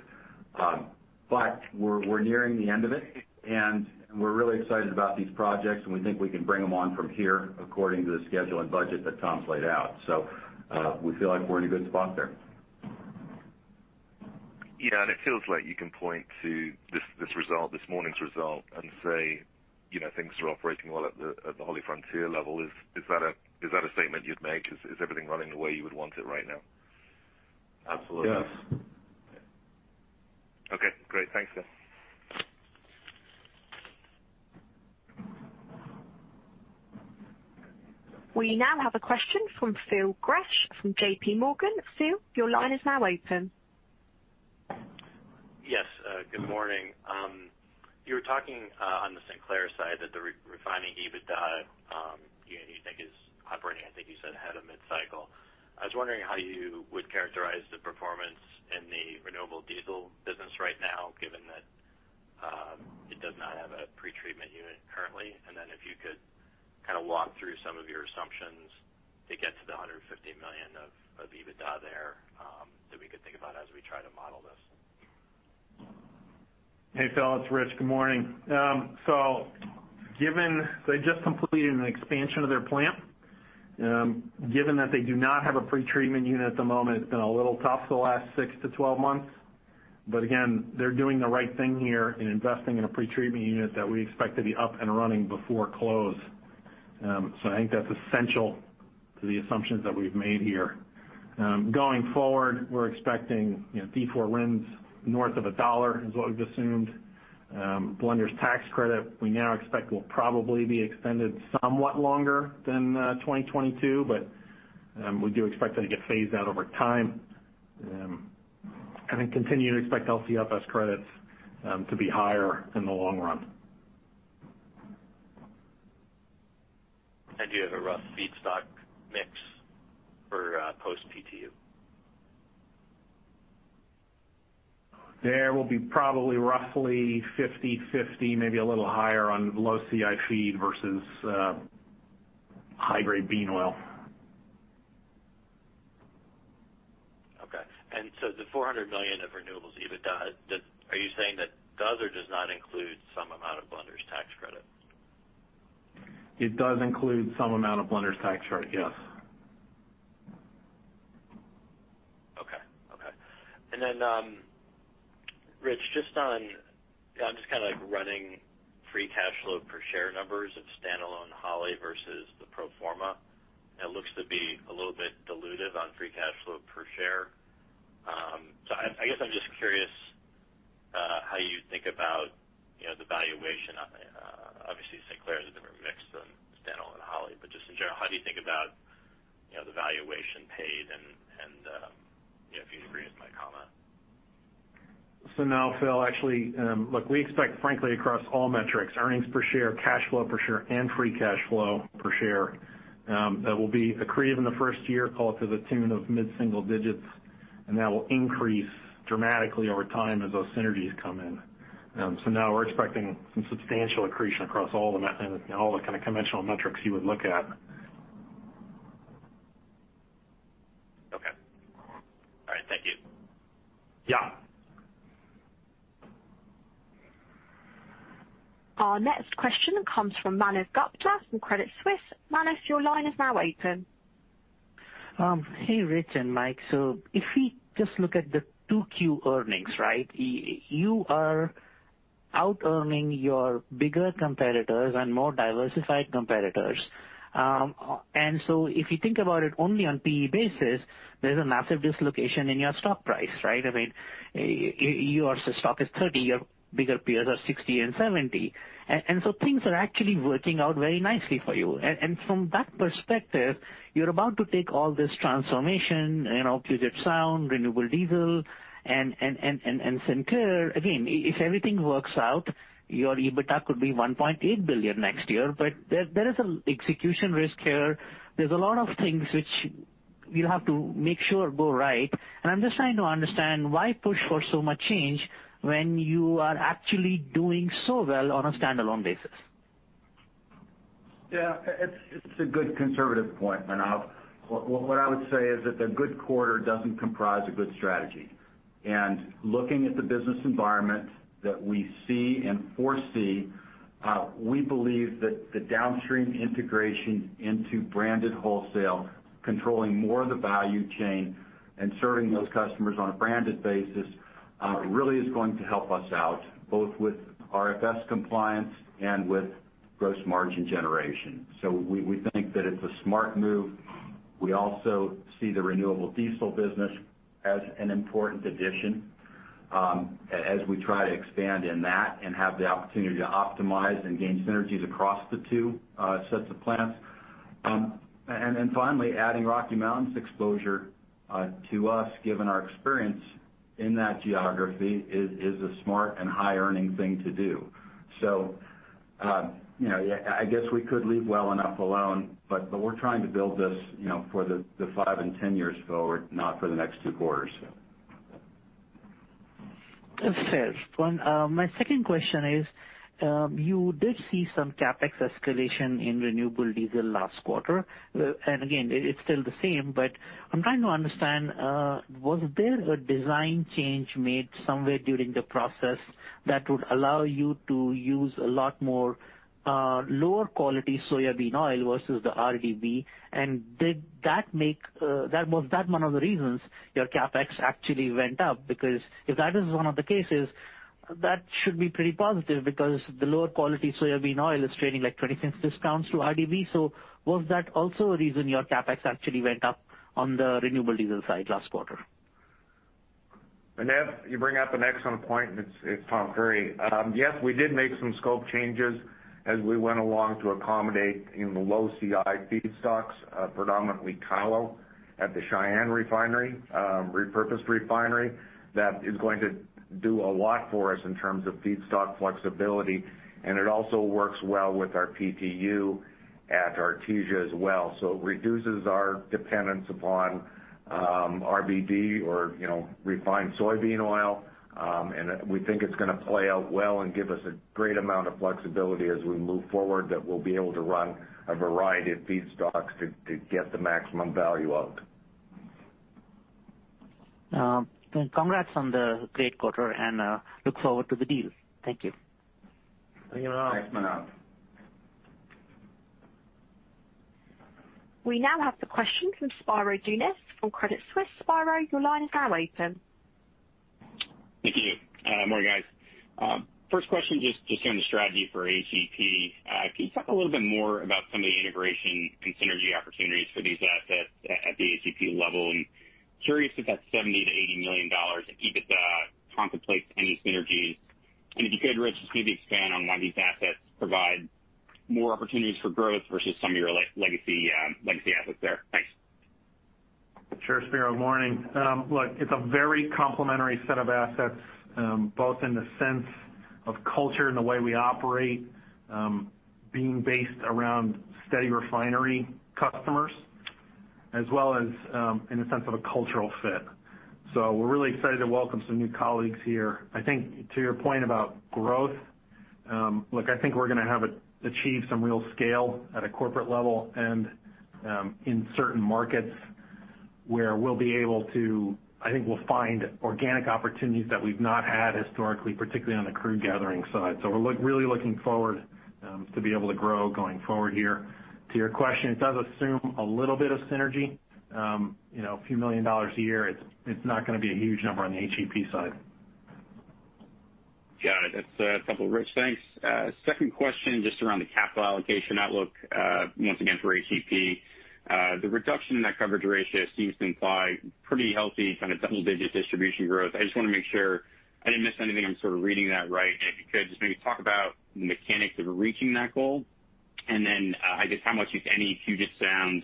We're nearing the end of it, and we're really excited about these projects, and we think we can bring them on from here according to the schedule and budget that Tom's laid out. We feel like we're in a good spot there. Yeah, it feels like you can point to this result, this morning's result and say, things are operating well at the HollyFrontier level. Is that a statement you'd make? Is everything running the way you would want it right now? Absolutely. Yes. Okay, great. Thanks. We now have a question from Phil Gresh from JPMorgan. Phil, your line is now open. Yes, good morning. You were talking, on the Sinclair side, that the refining EBITDA you think is operating, I think you said ahead of mid-cycle. I was wondering how you would characterize the performance in the renewable diesel business right now, given that it does not have a pretreatment unit currently. Then if you could kind of walk through some of your assumptions to get to the $150 million of EBITDA there that we could think about as we try to model this. Hey, Phil, it's Rich. Good morning. They just completed an expansion of their plant. Given that they do not have a pretreatment unit at the moment, it's been a little tough the last 6-12 months. Again, they're doing the right thing here in investing in a pretreatment unit that we expect to be up and running before close. I think that's essential to the assumptions that we've made here. Going forward, we're expecting D4 RINs north of $1 is what we've assumed. Blenders Tax Credit, we now expect will probably be extended somewhat longer than 2022. We do expect that to get phased out over time. Continue to expect LCFS credits to be higher in the long run. Any idea of a rough feedstock mix for post PTU? There will be probably roughly 50/50, maybe a little higher on low CI feed versus high-grade bean oil. Okay. The $400 million of renewables EBITDA, are you saying that does or does not include some amount of Blenders Tax Credit? It does include some amount of Blenders Tax Credit, yes. Okay. Rich, I'm just kind of running free cash flow per share numbers of standalone Holly versus the pro forma. It looks to be a little bit dilutive on free cash flow per share. I guess I'm just curious how you think about the valuation. Obviously, Sinclair has a different mix than standalone Holly, just in general, how do you think about the valuation paid and if you agree with my comment? Now, Phil, actually, look, we expect frankly across all metrics, earnings per share, cash flow per share, and free cash flow per share, that will be accretive in the first year, call it to the tune of mid-single digits, and that will increase dramatically over time as those synergies come in. Now we're expecting some substantial accretion across all the kind of conventional metrics you would look at. Okay. All right. Thank you. Yeah. Our next question comes from Manav Gupta from Credit Suisse. Manav, your line is now open. Hey, Rich and Mike. If we just look at the 2Q earnings, right? You are out-earning your bigger competitors and more diversified competitors. If you think about it only on P/E basis, there's a massive dislocation in your stock price, right? I mean, your stock is 30, your bigger peers are 60 and 70. Things are actually working out very nicely for you. From that perspective, you're about to take all this transformation, Puget Sound, renewable diesel and Sinclair. Again, if everything works out, your EBITDA could be $1.8 billion next year. There is an execution risk here. There's a lot of things which you have to make sure go right. I'm just trying to understand why push for so much change when you are actually doing so well on a standalone basis. Yeah, it's a good conservative point, Manav. What I would say is that a good quarter doesn't comprise a good strategy. Looking at the business environment that we see and foresee, we believe that the downstream integration into branded wholesale, controlling more of the value chain and serving those customers on a branded basis, really is going to help us out, both with RFS compliance and with gross margin generation. We think that it's a smart move. We also see the renewable diesel business as an important addition as we try to expand in that and have the opportunity to optimize and gain synergies across the two sets of plants. Finally, adding Rocky Mountain's exposure to us, given our experience in that geography, is a smart and high-earning thing to do. I guess we could leave well enough alone, but we're trying to build this for the 5-10 years forward, not for the next two quarters. Fair. My second question is, you did see some CapEx escalation in renewable diesel last quarter. Again, it's still the same, but I'm trying to understand, was there a design change made somewhere during the process that would allow you to use a lot more lower quality soybean oil versus the RBD? Was that one of the reasons your CapEx actually went up? If that is one of the cases, that should be pretty positive because the lower quality soybean oil is trading like $0.20 discounts to RBD. Was that also a reason your CapEx actually went up on the renewable diesel side last quarter? Manav, you bring up an excellent point, and it's on point. Yes, we did make some scope changes as we went along to accommodate in the low CI feedstocks, predominantly COWO at the Cheyenne refinery, repurposed refinery. That is going to do a lot for us in terms of feedstock flexibility, and it also works well with our PTU at Artesia as well. It reduces our dependence upon RBD or refined soybean oil, and we think it's going to play out well and give us a great amount of flexibility as we move forward that we'll be able to run a variety of feedstocks to get the maximum value out. Congrats on the great quarter, and look forward to the deal. Thank you. Thank you, Manav. We now have the question from Spiro Dounis from Credit Suisse. Spiro, your line is now open. Thank you. Morning, guys. First question, just on the strategy for HEP. Can you talk a little bit more about some of the integration and synergy opportunities for these assets at the HEP level? Curious if that $70 million-$80 million in EBITDA contemplates any synergies. If you could, Rich, just maybe expand on why these assets provide more opportunities for growth versus some of your legacy assets there. Thanks. Sure, Spiro. Morning. Look, it's a very complementary set of assets, both in the sense of culture and the way we operate, being based around steady refinery customers as well as in the sense of a cultural fit. We're really excited to welcome some new colleagues here. I think to your point about growth, look, I think we're going to achieve some real scale at a corporate level and in certain markets where I think we'll find organic opportunities that we've not had historically, particularly on the crude gathering side. We're really looking forward to be able to grow going forward here. To your question, it does assume a little bit of synergy. A few million dollars a year, it's not going to be a huge number on the HEP side. Got it. That's a couple, Rich. Thanks. Second question, just around the capital allocation outlook, once again for HEP. The reduction in that coverage ratio seems to imply pretty healthy kind of double-digit distribution growth. I just want to make sure I didn't miss anything. I'm sort of reading that right. If you could just maybe talk about the mechanics of reaching that goal, and then I guess how much, if any, Puget Sound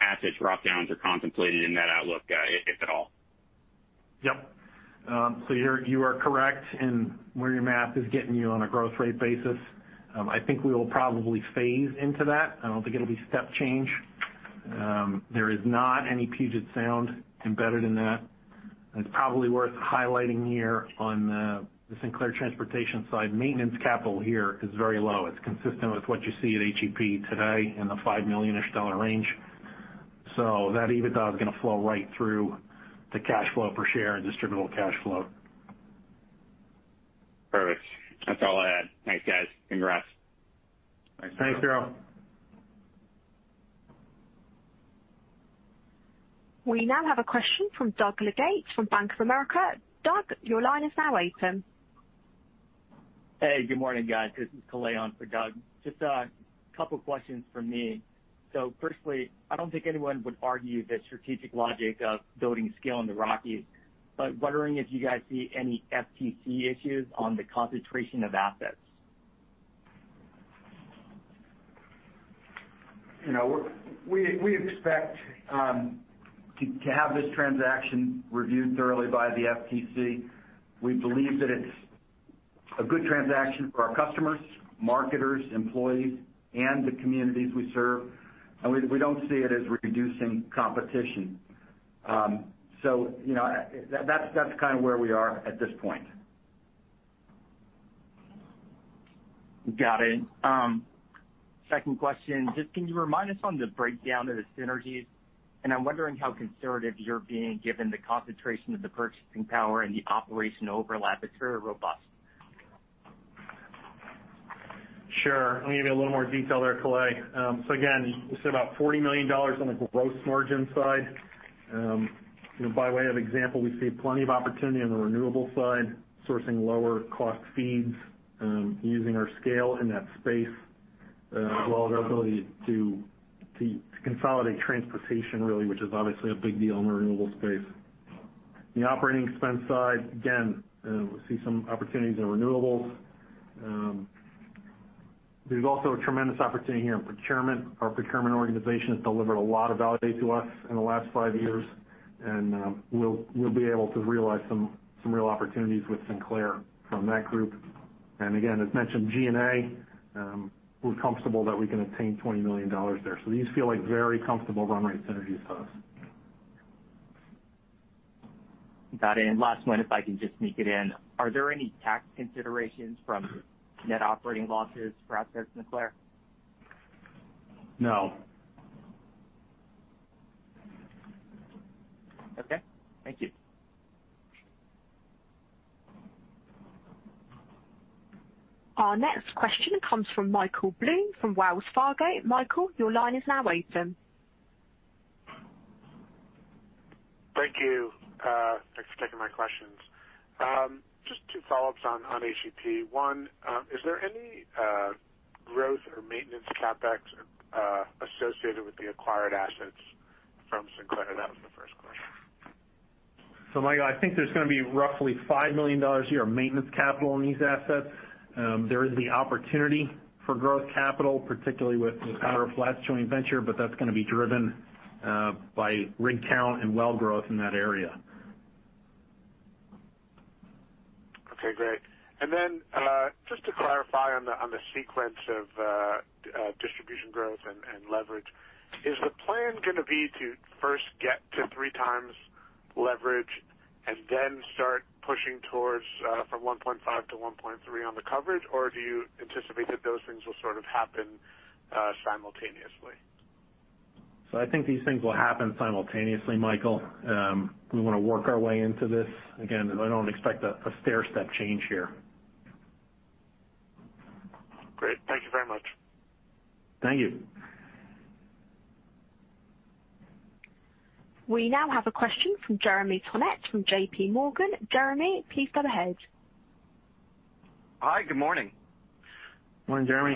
assets drop-downs are contemplated in that outlook, if at all? Yep. You are correct in where your math is getting you on a growth rate basis. I think we will probably phase into that. I don't think it'll be step change. There is not any Puget Sound embedded in that. It's probably worth highlighting here on the Sinclair transportation side, maintenance capital here is very low. It's consistent with what you see at HEP today in the $5 million-ish dollar range. That EBITDA is going to flow right through to cash flow per share and distributable cash flow. Perfect. That's all I had. Thanks, guys. Congrats. Thanks. Thanks, Spiro. We now have a question from Doug Leggate from Bank of America. Doug, your line is now open. Hey, good morning, guys. This is Kalei on for Doug. Just a couple of questions from me. Firstly, I don't think anyone would argue the strategic logic of building scale in the Rockies, but wondering if you guys see any FTC issues on the concentration of assets. We expect to have this transaction reviewed thoroughly by the FTC. We believe that it's a good transaction for our customers, marketers, employees, and the communities we serve, and we don't see it as reducing competition. That's kind of where we are at this point. Got it. Second question, just can you remind us on the breakdown of the synergies? I'm wondering how conservative you're being given the concentration of the purchasing power and the operation overlap. It's very robust. Sure. Let me give you a little more detail there, Kalei. Again, we said about $40 million on the gross margin side. By way of example, we see plenty of opportunity on the renewable side, sourcing lower cost feeds, using our scale in that space, as well as our ability to consolidate transportation, really, which is obviously a big deal in the renewable space. The operating expense side, again, we see some opportunities in renewables. There's also a tremendous opportunity here in procurement. Our procurement organization has delivered a lot of value to us in the last five years, and we'll be able to realize some real opportunities with Sinclair from that group. Again, as mentioned, SG&A, we're comfortable that we can attain $20 million there. These feel like very comfortable run rate synergies to us. Got it. Last one, if I can just sneak it in. Are there any tax considerations from net operating losses for assets in Sinclair? No. Okay. Thank you. Our next question comes from Michael Blum from Wells Fargo. Michael, your line is now open. Thank you. Thanks for taking my questions. Just two follow-ups on HEP. One, is there any growth or maintenance CapEx associated with the acquired assets from Sinclair? That was the first question. Michael, I think there's going to be roughly $5 million a year of maintenance capital on these assets. There is the opportunity for growth capital, particularly with Powder Flats Pipeline Joint Venture, but that's going to be driven by rig count and well growth in that area. Okay, great. Just to clarify on the sequence of distribution growth and leverage. Is the plan going to be to first get to 3x leverage and then start pushing towards from 1.5 to 1.3 on the coverage, or do you anticipate that those things will sort of happen simultaneously? I think these things will happen simultaneously, Michael. We want to work our way into this. Again, I don't expect a stairstep change here. Great. Thank you very much. Thank you. We now have a question from Jeremy Tonet from JPMorgan. Jeremy, please go ahead. Hi, good morning. Morning, Jeremy.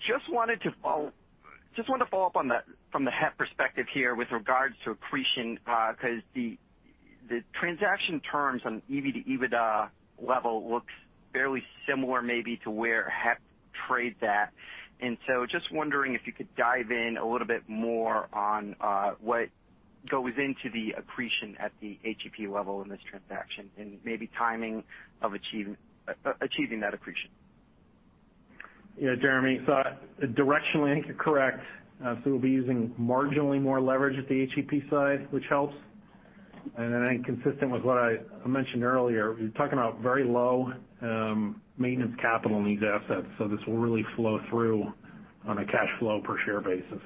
Just wanted to follow up from the HF perspective here with regards to accretion, because the transaction terms on EV to EBITDA level looks fairly similar maybe to where HF trade that. Just wondering if you could dive in a little bit more on what goes into the accretion at the HEP level in this transaction, and maybe timing of achieving that accretion. Yeah, Jeremy. Directionally, I think you're correct. We'll be using marginally more leverage at the HEP side, which helps. I think consistent with what I mentioned earlier, we're talking about very low maintenance capital in these assets. This will really flow through on a cash flow per share basis.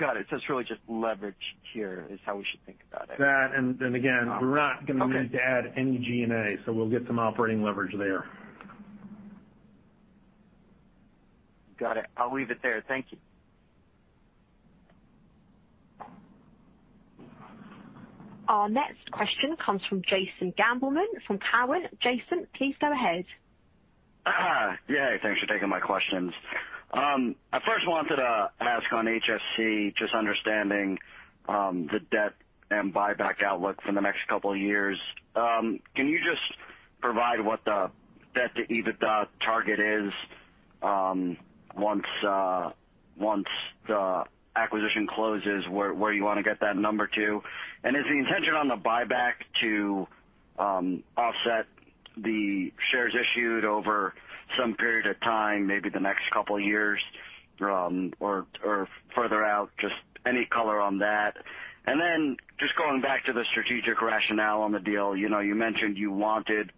Got it. It's really just leverage here is how we should think about it. That, we're not going to need to add any G&A, so we'll get some operating leverage there. Got it. I'll leave it there. Thank you. Our next question comes from Jason Gabelman from Cowen. Jason, please go ahead. Thanks for taking my questions. I first wanted to ask on HFC, just understanding the debt and buyback outlook for the next couple of years. Can you just provide what the debt to EBITDA target is once the acquisition closes, where you want to get that number to? Is the intention on the buyback to offset the shares issued over some period of time, maybe the next couple of years, or further out? Just any color on that. Just going back to the strategic rationale on the deal. You mentioned you wanted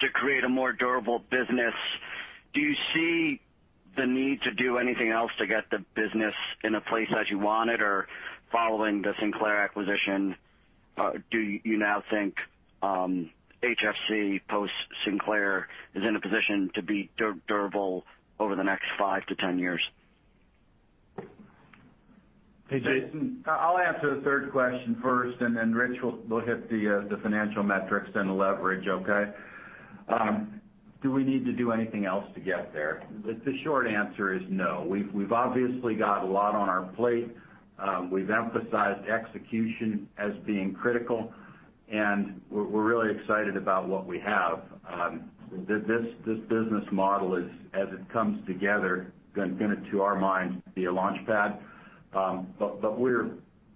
to create a more durable business. Do you see the need to do anything else to get the business in a place as you want it? Following the Sinclair acquisition, do you now think HFC post Sinclair is in a position to be durable over the next 5-10 years? Hey, Jason. I'll answer the third question first, and then Rich will hit the financial metrics and the leverage, okay? Do we need to do anything else to get there? The short answer is no. We've obviously got a lot on our plate. We've emphasized execution as being critical, and we're really excited about what we have. This business model is, as it comes together, going to our minds, be a launch pad. We're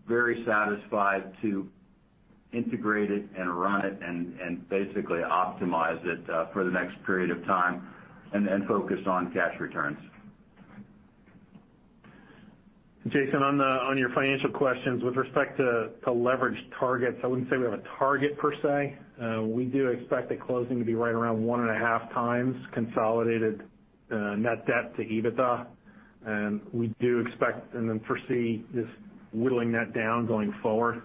very satisfied to integrate it and run it and basically optimize it for the next period of time and focus on cash returns. Jason, on your financial questions, with respect to leverage targets, I wouldn't say we have a target per se. We do expect the closing to be right around 1.5x consolidated net debt to EBITDA. We do expect and then foresee just whittling that down going forward,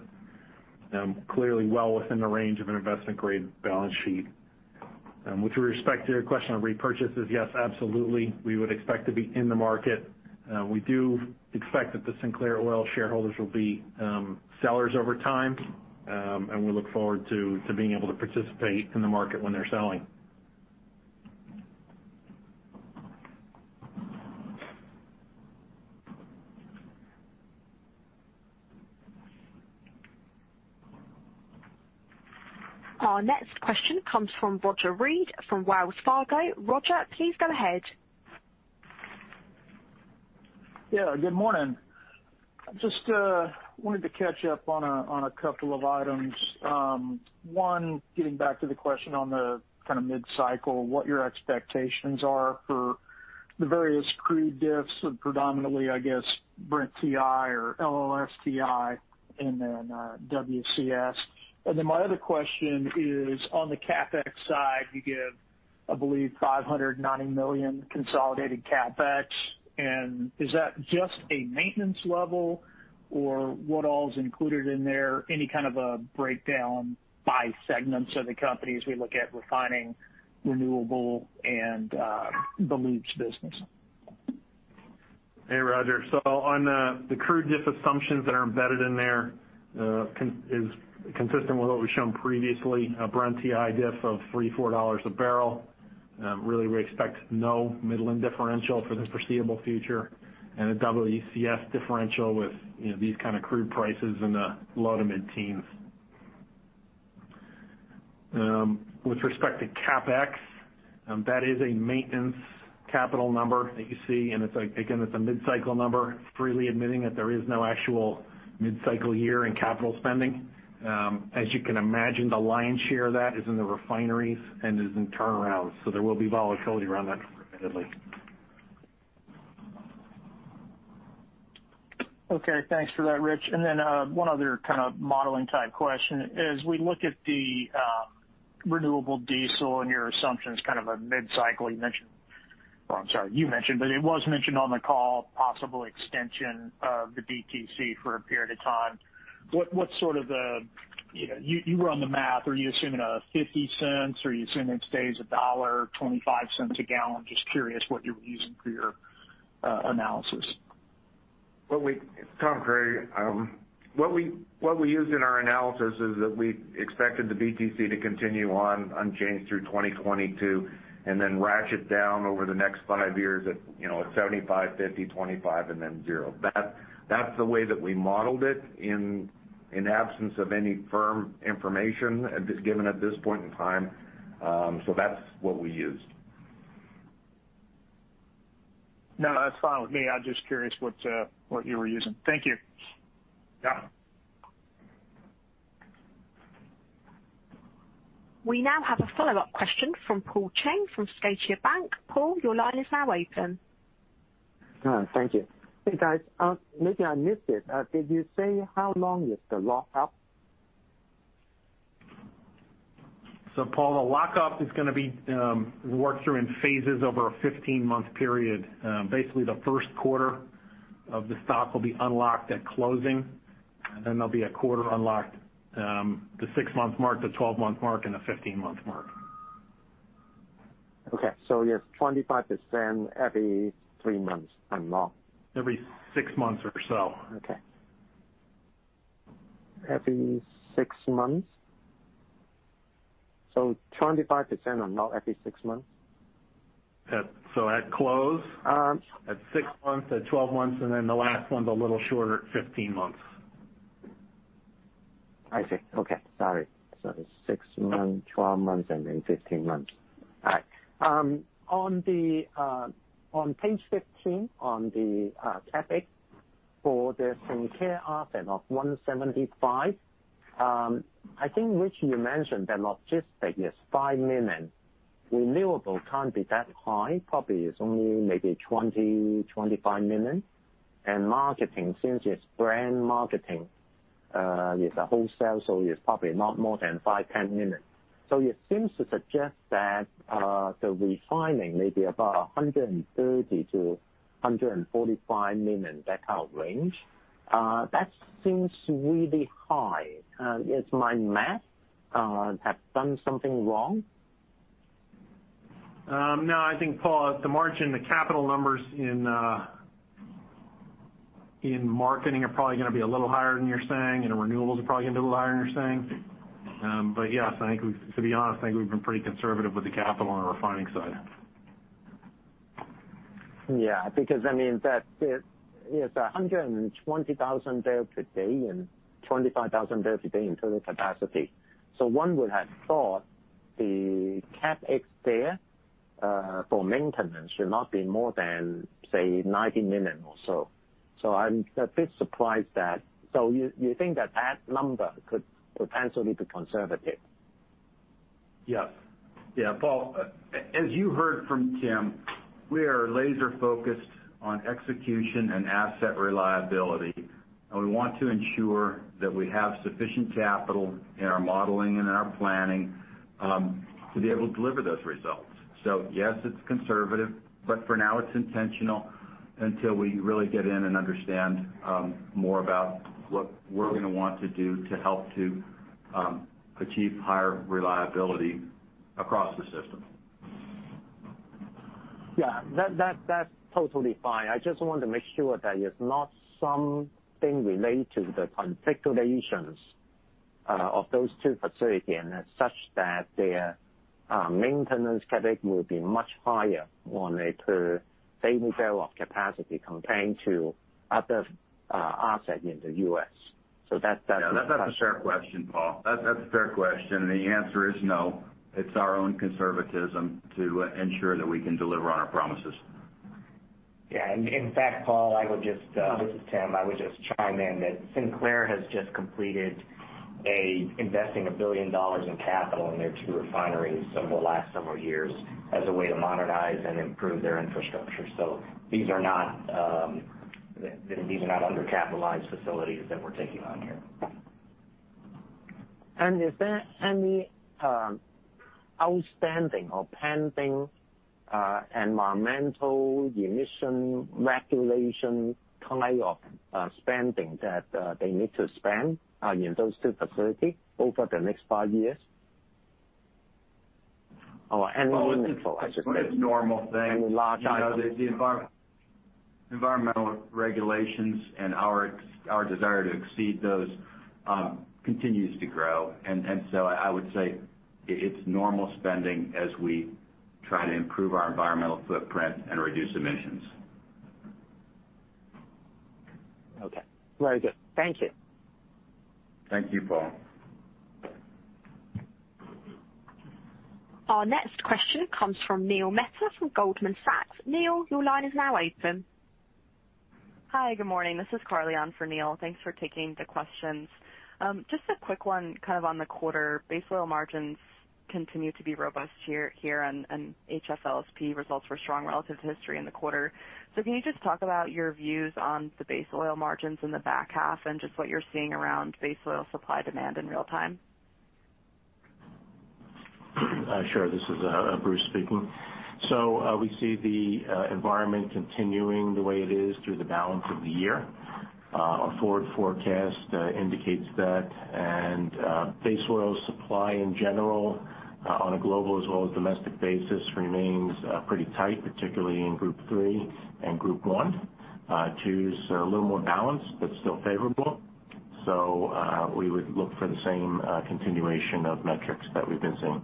clearly well within the range of an investment-grade balance sheet. With respect to your question on repurchases, yes, absolutely. We would expect to be in the market. We do expect that the Sinclair Oil shareholders will be sellers over time, and we look forward to being able to participate in the market when they're selling. Our next question comes from Roger Read from Wells Fargo. Roger, please go ahead. Good morning. Just wanted to catch up on a couple of items. One, getting back to the question on the kind of mid-cycle, what your expectations are for the various crude diffs, predominantly, I guess, Brent TI or LLS TI and then WCS. My other question is on the CapEx side, you give, I believe, $590 million consolidated CapEx. Is that just a maintenance level or what all is included in there? Any kind of a breakdown by segments of the company as we look at refining, Renewables and the Lubricants & Specialties business? Hey, Roger. On the crude diff assumptions that are embedded in there, is consistent with what we've shown previously, a Brent TI diff of $3-$4 a barrel. We expect no Midland differential for the foreseeable future and a WCS differential with these kind of crude prices in the low to mid teens. With respect to CapEx, that is a maintenance capital number that you see, and again, it's a mid-cycle number, freely admitting that there is no actual mid-cycle year in capital spending. As you can imagine, the lion's share of that is in the refineries and is in turnarounds. There will be volatility around that number admittedly. Okay. Thanks for that, Rich. Then one other kind of modeling type question. As we look at the renewable diesel and your assumptions kind of a mid-cycle, you mentioned, but it was mentioned on the call, possible extension of the BTC for a period of time. You run the math. Are you assuming $0.50, or are you assuming it stays $1.25 a gallon? Just curious what you're using for your analysis. This is Tom Creery. What we used in our analysis is that we expected the BTC to continue on unchanged through 2022 and then ratchet down over the next five years at 75, 50, 25, and then zero. That's the way that we modeled it in absence of any firm information given at this point in time. That's what we used. No, that's fine with me. I was just curious what you were using. Thank you. Yeah. We now have a follow-up question from Paul Cheng from Scotiabank. Paul, your line is now open. Thank you. Hey, guys. Maybe I missed it. Did you say how long is the lockup? Paul, the lockup is going to be worked through in phases over a 15-month period. Basically, the first quarter of the stock will be unlocked at closing. Then there'll be a quarter unlocked, the six-month mark, the 12-month mark, and the 15-month mark. Okay. yes, 25% every three months unlocked. Every six months or so. Okay. Every six months? 25% unlocked every six months? At close, at six months, at 12 months, and then the last one's a little shorter at 15 months. I see. Okay. Sorry. It's six months, 12 months, and then 15 months. All right. On page 15, on the CapEx for the Sinclair asset of $175, I think, Rich, you mentioned that logistics is $5 million. Renewable can't be that high, probably it's only maybe $20 million-$25 million. Marketing, since it's brand marketing, it's a wholesale, so it's probably not more than $5 million-$10 million. It seems to suggest that the refining may be about $130 million-$145 million, that kind of range. That seems really high. Has my math have done something wrong? No, I think, Paul, the margin, the capital numbers in marketing are probably gonna be a little higher than you're saying, and Renewables are probably gonna be a little higher than you're saying. Yes, to be honest, I think we've been pretty conservative with the capital on the refining side. Yeah, because that is 120,000 barrels per day and 25,000 barrels per day in total capacity. One would have thought the CapEx there, for maintenance, should not be more than, say, $90 million or so. I'm a bit surprised that you think that that number could potentially be conservative? Yes. Yeah, Paul, as you heard from Tim, we are laser-focused on execution and asset reliability, and we want to ensure that we have sufficient capital in our modeling and in our planning, to be able to deliver those results. Yes, it's conservative, but for now, it's intentional until we really get in and understand more about what we're gonna want to do to help to achieve higher reliability across the system. Yeah, that's totally fine. I just want to make sure that it's not something related to the configurations of those two facilities such that their maintenance CapEx will be much higher on a per barrel of capacity compared to other assets in the U.S. Yeah, that's a fair question, Paul. That's a fair question, and the answer is no. It's our own conservatism to ensure that we can deliver on our promises. Yeah. In fact, Paul, this is Tim, I would just chime in that Sinclair has just completed investing $1 billion in capital in their two refineries over the last several years as a way to modernize and improve their infrastructure. These are not under-capitalized facilities that we're taking on here. Is there any outstanding or pending environmental emission regulation kind of spending that they need to spend in those two facilities over the next five years? Well, it's normal thing. Any large- The environmental regulations and our desire to exceed those continues to grow. I would say it's normal spending as we try to improve our environmental footprint and reduce emissions. Okay. Very good. Thank you. Thank you, Paul. Our next question comes from Neil Mehta from Goldman Sachs. Neil, your line is now open. Hi, good morning. This is Carly on for Neil. Thanks for taking the questions. Just a quick one, kind of on the quarter. Base oil margins continue to be robust here, and HFLS results were strong relative to history in the quarter. Can you just talk about your views on the base oil margins in the back half and just what you're seeing around base oil supply-demand in real-time? Sure. This is Bruce speaking. We see the environment continuing the way it is through the balance of the year. Our forward forecast indicates that, base oil supply in general, on a global as well as domestic basis, remains pretty tight, particularly in Group III and Group I. Group II is a little more balanced but still favorable. We would look for the same continuation of metrics that we've been seeing.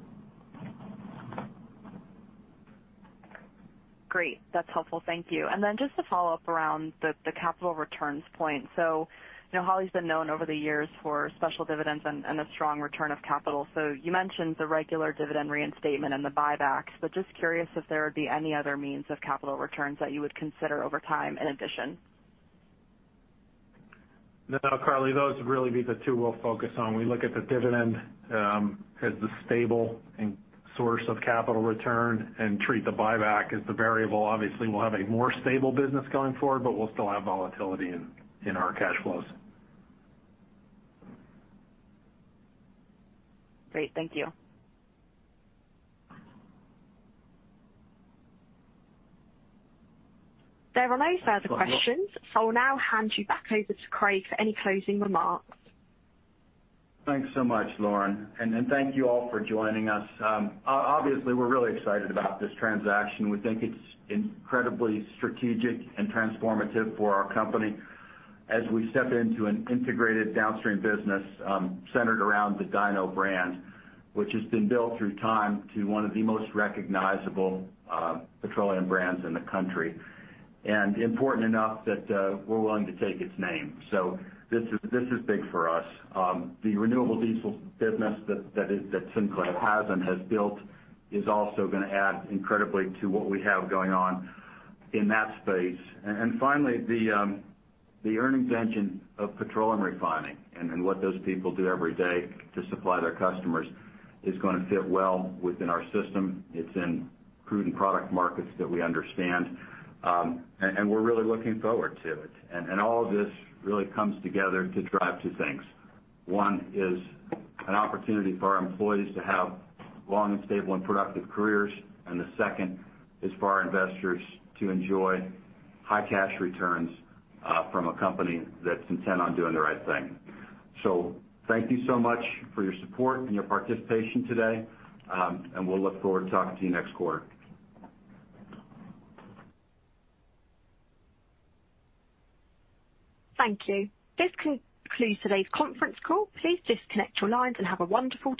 Great. That's helpful. Thank you. Just to follow up around the capital returns point. HollyFrontier's been known over the years for special dividends and a strong return of capital. You mentioned the regular dividend reinstatement and the buybacks, but just curious if there would be any other means of capital returns that you would consider over time in addition? No, Carly, those would really be the two we'll focus on. We look at the dividend as the stable source of capital return and treat the buyback as the variable. We'll have a more stable business going forward, but we'll still have volatility in our cash flows. Great. Thank you. There are no further questions. I'll now hand you back over to Craig for any closing remarks. Thanks so much, Lauren, and thank you all for joining us. Obviously, we're really excited about this transaction. We think it's incredibly strategic and transformative for our company as we step into an integrated downstream business centered around the Dino brand, which has been built through time to one of the most recognizable petroleum brands in the country. Important enough that we're willing to take its name. This is big for us. The renewable diesel business that Sinclair has and has built is also gonna add incredibly to what we have going on in that space. Finally, the earnings engine of petroleum refining and what those people do every day to supply their customers is gonna fit well within our system. It's in crude and product markets that we understand. We're really looking forward to it. All of this really comes together to drive two things. One is an opportunity for our employees to have long and stable and productive careers, and the second is for our investors to enjoy high cash returns from a company that's intent on doing the right thing. Thank you so much for your support and your participation today, and we'll look forward to talking to you next quarter. Thank you. This concludes today's conference call. Please disconnect your lines and have a wonderful day.